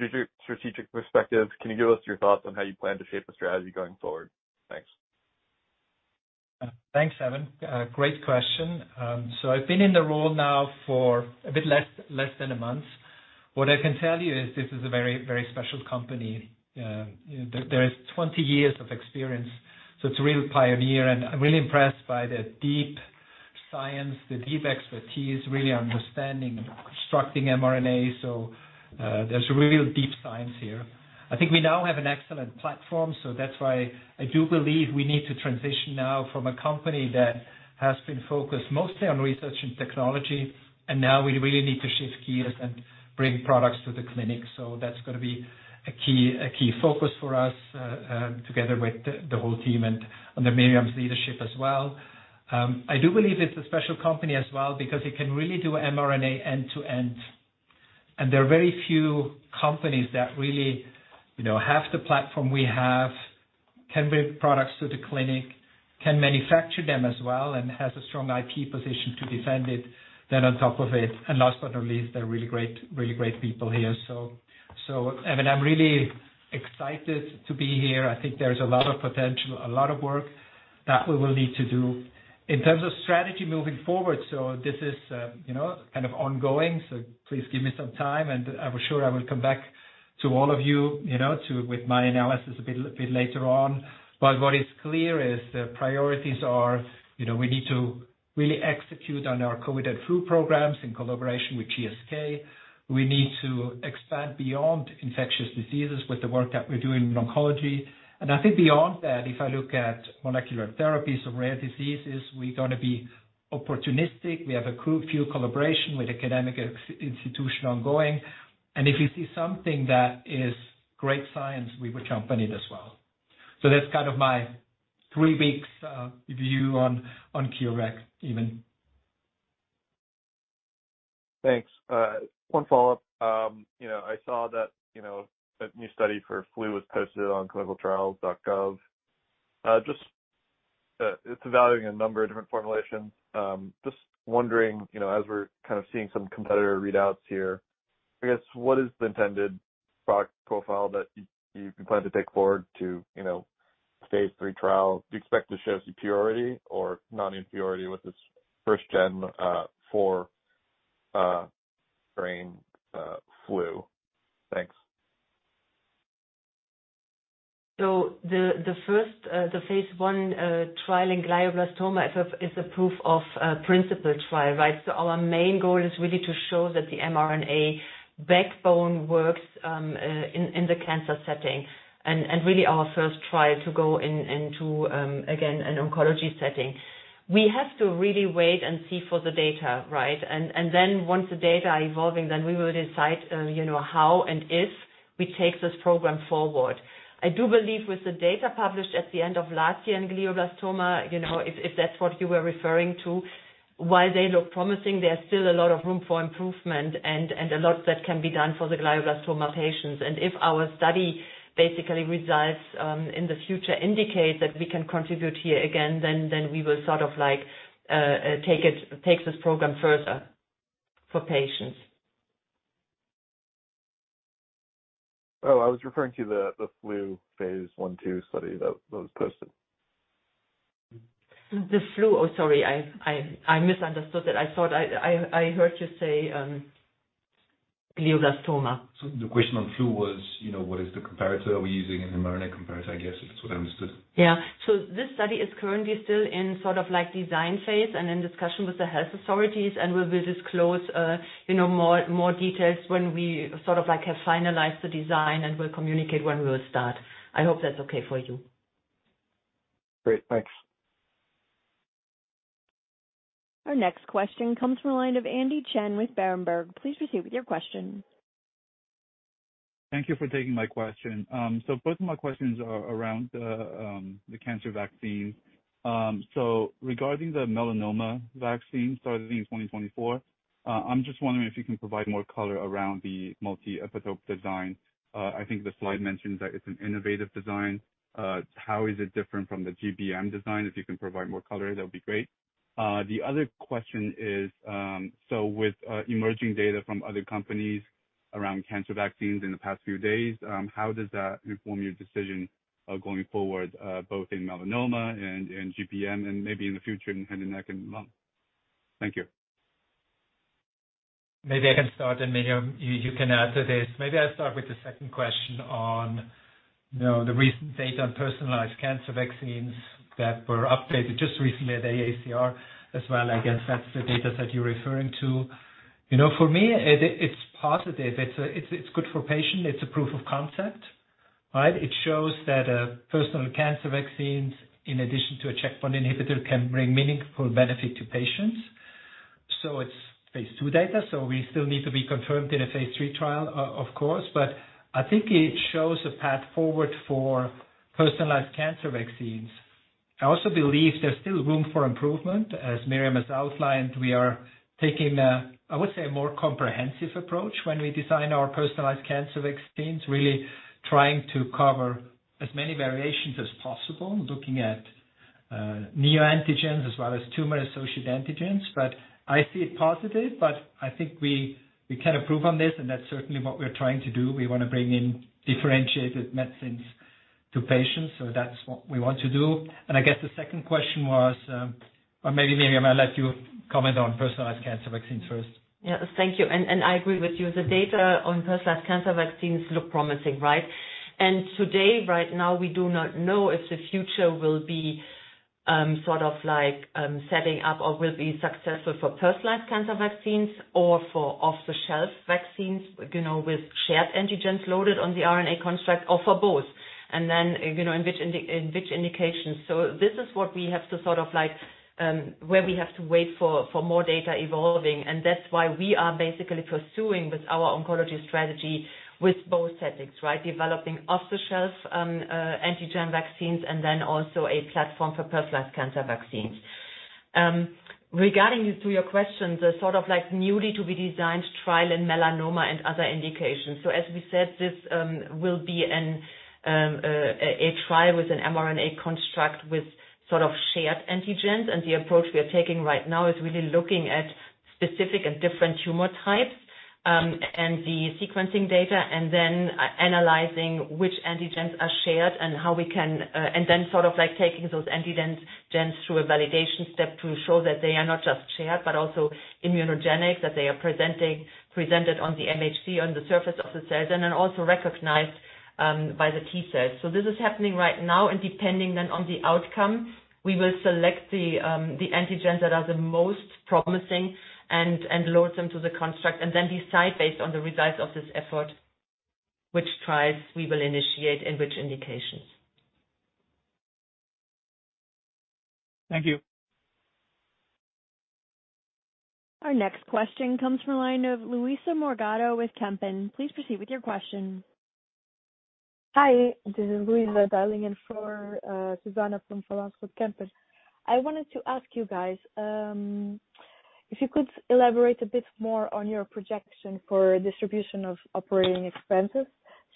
strategic perspective, can you give us your thoughts on how you plan to shape the strategy going forward? Thanks. Thanks, Evan. Great question. I've been in the role now for a bit less than a month. What I can tell you is this is a very, very special company. There is 20 years of experience, it's a real myNEO. I'm really impressed by the deep science, the deep expertise, really understanding, constructing mRNA. There's a real deep science here. I think we now have an excellent platform, that's why I do believe we need to transition now from a company that has been focused mostly on research and technology, we really need to shift gears and bring products to the clinic. That's gonna be a key focus for us together with the whole team and under Myriam's leadership as well. I do believe it's a special company as well because it can really do mRNA end-to-end. There are very few companies that really, you know, have the platform we have, can build products to the clinic, can manufacture them as well, and has a strong IP position to defend it. On top of it, and last but not least, they're really great people here. Evan, I'm really excited to be here. I think there's a lot of potential, a lot of work that we will need to do. In terms of strategy moving forward, this is, you know, kind of ongoing, please give me some time, and I will sure I will come back to all of you know, with my analysis a bit later on. What is clear is the priorities are, you know, we need to really execute on our COVID and flu programs in collaboration with GSK. We need to expand beyond infectious diseases with the work that we're doing in oncology. I think beyond that, if I look at molecular therapies or rare diseases, we're gonna be opportunistic. We have a few collaboration with academic institution ongoing. If we see something that is great science, we will jump on it as well. That's kind of my three weeks view on CureVac, Evan. Thanks. One follow-up. You know, I saw that, you know, a new study for flu was posted on ClinicalTrials.gov. Just, it's evaluating a number of different formulations. Just wondering, you know, as we're kind of seeing some competitor readouts here, I guess what is the intended product profile that you plan to take forward to, you know, phase three trials? Do you expect to show superiority or non-inferiority with this first gen, for brain, flu. Thanks. The first phase I trial in glioblastoma is a proof of principle trial, right? Our main goal is really to show that the mRNA backbone works in the cancer setting. Really our first trial to go into again, an oncology setting. We have to really wait and see for the data, right? Once the data are evolving, then we will decide, you know, how and if we take this program forward. I do believe with the data published at the end of last year in glioblastoma, you know, if that's what you were referring to, while they look promising, there's still a lot of room for improvement and a lot that can be done for the glioblastoma patients. If our study basically results, in the future indicate that we can contribute here again, then we will sort of like, take this program further for patients. Oh, I was referring to the flu phase I/II study that was posted. The flu. Oh, sorry, I misunderstood that. I thought I heard you say, glioblastoma. The question on flu was, you know, what is the comparator we're using in the mRNA comparator, I guess, if that's what I understood? Yeah. This study is currently still in sort of like design phase and in discussion with the health authorities, and we will disclose, you know, more details when we sort of like, have finalized the design and we'll communicate when we'll start. I hope that's okay for you. Great. Thanks. Our next question comes from the line of Andy Chen with Berenberg. Please proceed with your question. Thank you for taking my question. Both of my questions are around the cancer vaccine. Regarding the melanoma vaccine starting in 2024, I'm just wondering if you can provide more color around the multi-epitope design. I think the slide mentions that it's an innovative design. How is it different from the GBM design? If you can provide more color, that would be great. The other question is, with emerging data from other companies around cancer vaccines in the past few days, how does that inform your decision going forward, both in melanoma and in GBM and maybe in the future in head and neck and lung? Thank you. Maybe I can start, and maybe you can add to this. Maybe I'll start with the second question on, you know, the recent data on personalized cancer vaccines that were updated just recently at AACR as well. I guess that's the data set you're referring to. You know, for me it's positive. It's good for patient. It's a proof of concept, right? It shows that personal cancer vaccines, in addition to a checkpoint inhibitor, can bring meaningful benefit to patients. It's phase II data, we still need to be confirmed in a phase III trial, of course. I think it shows a path forward for personalized cancer vaccines. I also believe there's still room for improvement. As Myriam has outlined, we are taking a, I would say, a more comprehensive approach when we design our personalized cancer vaccines, really trying to cover as many variations as possible, looking at neoantigens as well as tumor-associated antigens. I see it positive, but I think we can improve on this, and that's certainly what we're trying to do. We want to bring in differentiated medicines to patients, so that's what we want to do. I guess the second question was, or maybe, Myriam, I'll let you comment on personalized cancer vaccines first. Yeah. Thank you. I agree with you. The data on personalized cancer vaccines look promising, right? Today, right now, we do not know if the future will be sort of like setting up or will be successful for personalized cancer vaccines or for off-the-shelf vaccines, you know, with shared antigens loaded on the RNA construct or for both. Then, you know, in which indications. This is what we have to sort of like where we have to wait for more data evolving, and that's why we are basically pursuing with our oncology strategy with both settings, right? Developing off-the-shelf antigen vaccines and then also a platform for personalized cancer vaccines. Regarding to your questions, the sort of like newly to be designed trial in melanoma and other indications. As we said, this will be a trial with an mRNA construct with sort of shared antigens. The approach we are taking right now is really looking at specific and different tumor types, and the sequencing data and then analyzing which antigens are shared and how we can, and then sort of like taking those antigens through a validation step to show that they are not just shared but also immunogenic, that they are presented on the MHC, on the surface of the cells, and then also recognized by the T-cells. This is happening right now. Depending on the outcome, we will select the antigens that are the most promising and load them to the construct and then decide based on the results of this effort which trials we will initiate and which indications. Thank you. Our next question comes from the line of Luisa Morgado with Kempen. Please proceed with your question. Hi, this is Luisa dialing in for Suzanne van Voorthuizen with Kempen. I wanted to ask you guys if you could elaborate a bit more on your projection for distribution of operating expenses,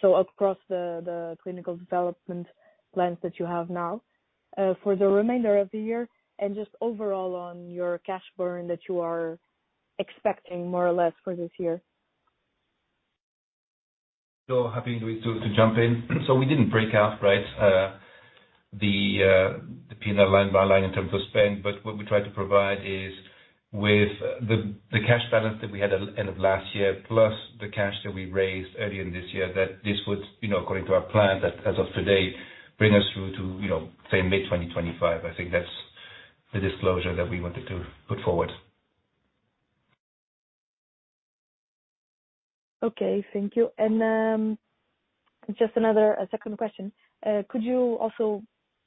across the clinical development plans that you have now, for the remainder of the year and just overall on your cash burn that you are expecting more or less for this year. Happy to jump in. We didn't break out, right, the P&L line by line in terms of spend. What we tried to provide is with the cash balance that we had at end of last year, plus the cash that we raised early in this year, that this would, you know, according to our plan, that as of today, bring us through to, you know, say, mid-2025. I think that's the disclosure that we wanted to put forward. Okay, thank you. Just another, a second question. Could you also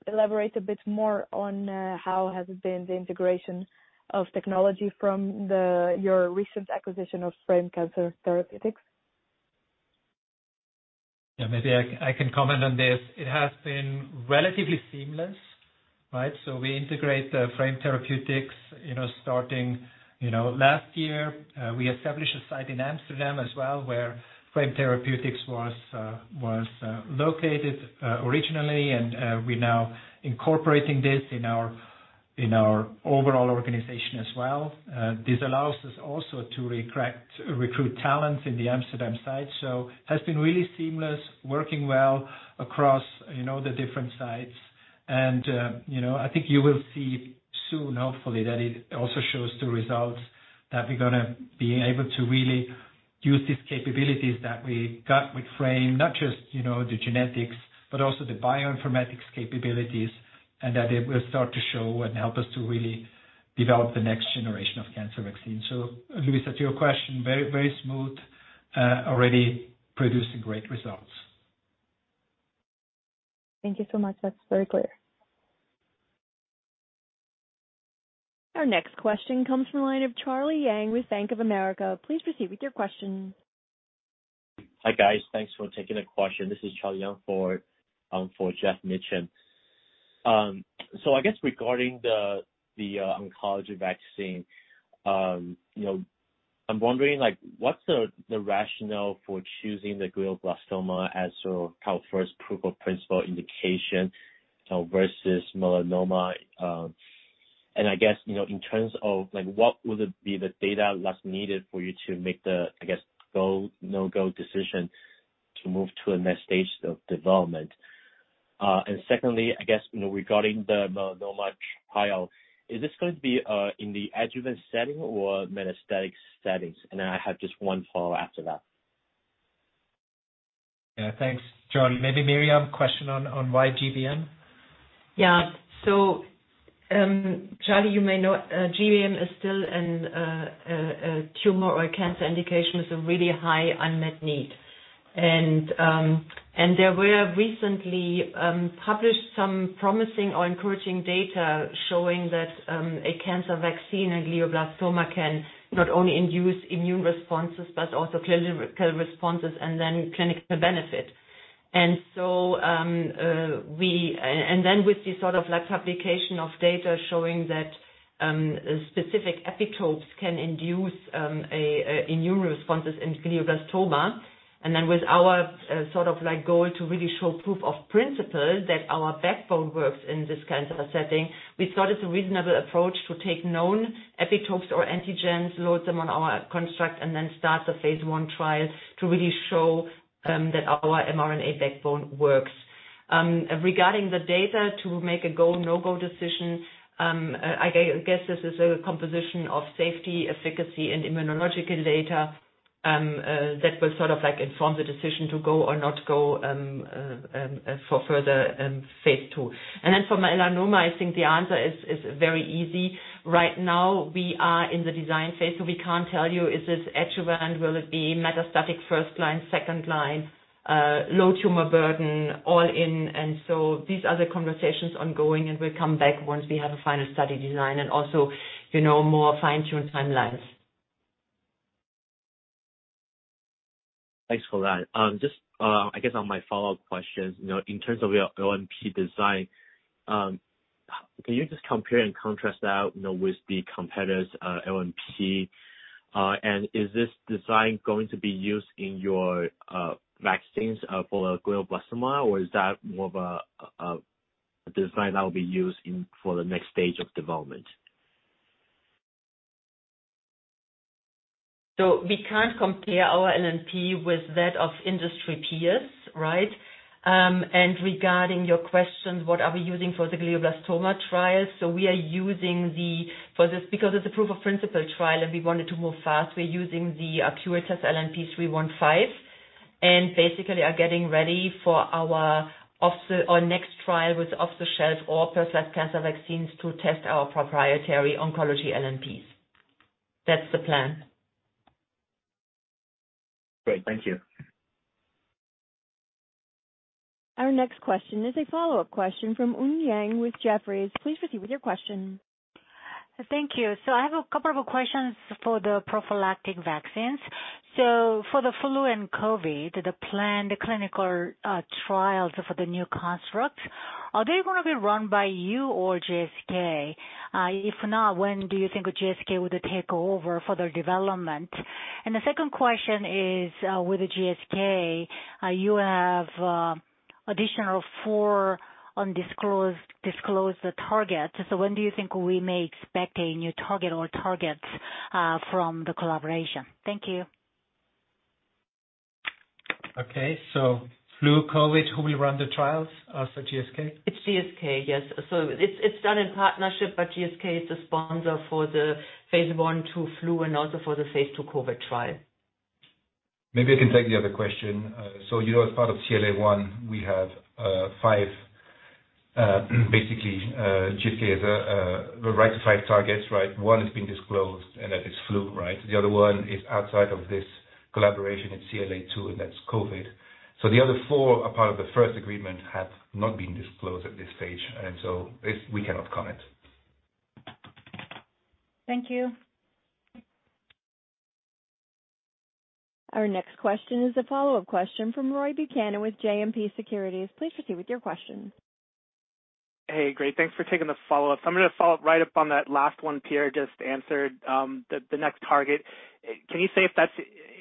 elaborate a bit more on how has it been the integration of technology from the, your recent acquisition of Frame Cancer Therapeutics? Yeah, maybe I can comment on this. It has been relatively seamless, right? We integrate the Frame Cancer Therapeutics, you know, starting last year. We established a site in Amsterdam as well, where Frame Cancer Therapeutics was located originally, and we're now incorporating this in our overall organization as well. This allows us also to recruit talent in the Amsterdam site. Has been really seamless, working well across the different sites. I think you will see soon, hopefully, that it also shows the results that we're gonna be able to really use these capabilities that we got with Frame Cancer Therapeutics, not just the genetics, but also the bioinformatics capabilities, and that it will start to show and help us to really develop the next generation of cancer vaccines. Luisa, to your question, very smooth, already producing great results. Thank you so much. That's very clear. Our next question comes from the line of Charlie Yang with Bank of America. Please proceed with your question. Hi, guys. Thanks for taking the question. This is Charlie Yang for Geoff Meacham. I guess regarding the oncology vaccine, you know, I'm wondering, like, what's the rationale for choosing the glioblastoma as your kind of first proof of principle indication, you know, versus melanoma? I guess, you know, in terms of like, what would be the data that's needed for you to make the, I guess, go, no-go decision to move to a next stage of development? Secondly, I guess, you know, regarding the melanoma trial, is this going to be in the adjuvant setting or metastatic settings? I have just one follow after that. Yeah, thanks, Charlie. Maybe, Myriam, question on why GBM? Yeah. Charlie, you may know, GBM is still a tumor or cancer indication with a really high unmet need. There were recently published some promising or encouraging data showing that a cancer vaccine in glioblastoma can not only induce immune responses, but also clinical responses, clinical benefit. With the sort of like publication of data showing that specific epitopes can induce immune responses in glioblastoma, with our sort of like goal to really show proof of principle that our backbone works in this cancer setting, we thought it's a reasonable approach to take known epitopes or antigens, load them on our construct, start the phase one trial to really show that our mRNA backbone works. Regarding the data to make a go, no-go decision, I guess this is a composition of safety, efficacy, and immunological data, that will sort of like inform the decision to go or not go, for further phase two. For melanoma, I think the answer is very easy. Right now we are in the design phase, so we can't tell you, is this adjuvant, will it be metastatic first line, second line, low tumor burden, all in. These are the conversations ongoing, and we'll come back once we have a final study design and also, you know, more fine-tuned timelines. Thanks for that. Just, I guess on my follow-up questions, you know, in terms of your LNP design, can you just compare and contrast that, you know, with the competitors' LNP? Is this design going to be used in your vaccines for the glioblastoma, or is that more of a design that will be used for the next stage of development? We can't compare our LNP with that of industry peers, right? Regarding your question, what are we using for the glioblastoma trial? We are using the, for this, because it's a proof of principle trial and we wanted to move fast, we're using the CureVac LNP, and basically are getting ready for our next trial with off-the-shelf or prophylactic cancer vaccines to test our proprietary oncology LNPs. That's the plan. Great. Thank you. Our next question is a follow-up question from Eun Yang with Jefferies. Please proceed with your question. Thank you. I have a couple of questions for the prophylactic vaccines. For the flu and COVID, the planned clinical trials for the new constructs, are they gonna be run by you or GSK? If not, when do you think GSK would take over for their development? The second question is, with the GSK, you have Additional for undisclosed, disclose the target. When do you think we may expect a new target or targets from the collaboration? Thank you. Okay. Flu, COVID, who will run the trials? Us or GSK? It's GSK, yes. it's done in partnership, but GSK is the sponsor for the phase I to flu and also for the phase II COVID trial. Maybe I can take the other question. you know, as part of CLA 1, we have five, basically, GSK has the right to five targets, right? One has been disclosed, and that is flu, right? The other one is outside of this collaboration, it's CLA 2, and that's COVID. The other four are part of the first agreement have not been disclosed at this stage. This we cannot comment. Thank you. Our next question is a follow-up question from Roy Buchanan with JMP Securities. Please proceed with your question. Hey, great. Thanks for taking the follow-up. I'm gonna follow up right up on that last one Pierre just answered, the next target. Can you say if that's,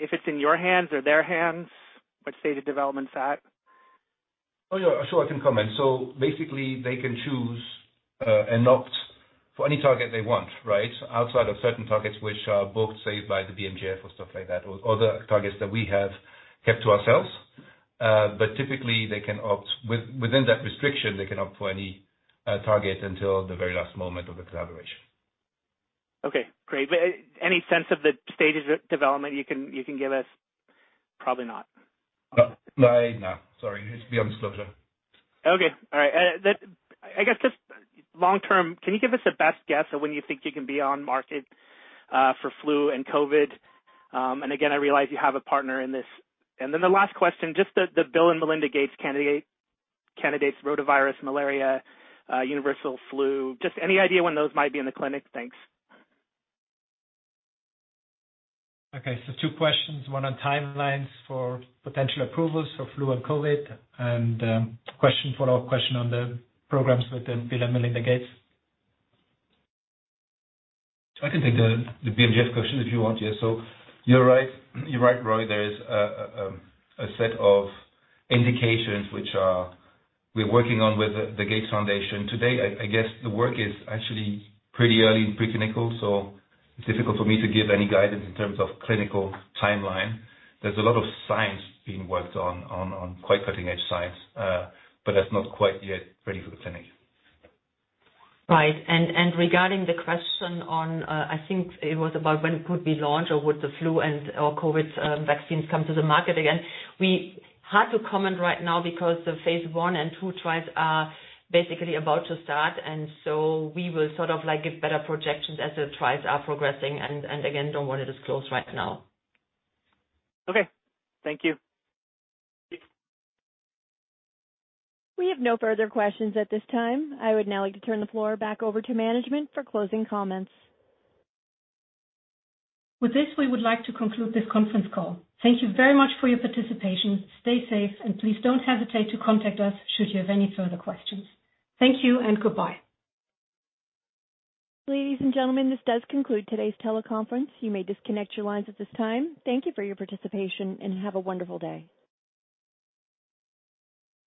if it's in your hands or their hands? What stage of development it's at? Oh, yeah, sure. I can comment. Basically, they can choose and opt for any target they want, right? Outside of certain targets which are booked, say by the BMGF or stuff like that, or other targets that we have kept to ourselves. Typically, they can opt, within that restriction, they can opt for any target until the very last moment of the collaboration. Okay, great. Any sense of the stage of development you can give us? Probably not. No. No. Sorry. It's beyond disclosure. Okay. All right. I guess just long term, can you give us a best guess of when you think you can be on market for flu and COVID? Again, I realize you have a partner in this. Then the last question, just the Bill and Melinda Gates candidates, rotavirus, malaria, universal flu, just any idea when those might be in the clinic? Thanks. Two questions, one on timelines for potential approvals for flu and COVID and follow-up question on the programs with the Bill and Melinda Gates. I can take the BMGF question if you want, yeah. You're right, Roy. There is a set of indications which are, we're working on with the Gates Foundation. Today, I guess the work is actually pretty early in preclinical, it's difficult for me to give any guidance in terms of clinical timeline. There's a lot of science being worked on quite cutting edge science, that's not quite yet ready for the clinic. Right. Regarding the question on, I think it was about when could we launch, or would the flu and or COVID vaccines come to the market again? We hard to comment right now because the phase one and two trials are basically about to start, and so we will sort of like give better projections as the trials are progressing. Again, don't want to disclose right now. Okay. Thank you. We have no further questions at this time. I would now like to turn the floor back over to management for closing comments. With this, we would like to conclude this conference call. Thank you very much for your participation. Stay safe, and please don't hesitate to contact us should you have any further questions. Thank you and goodbye. Ladies and gentlemen, this does conclude today's teleconference. You may disconnect your lines at this time. Thank you for your participation and have a wonderful day.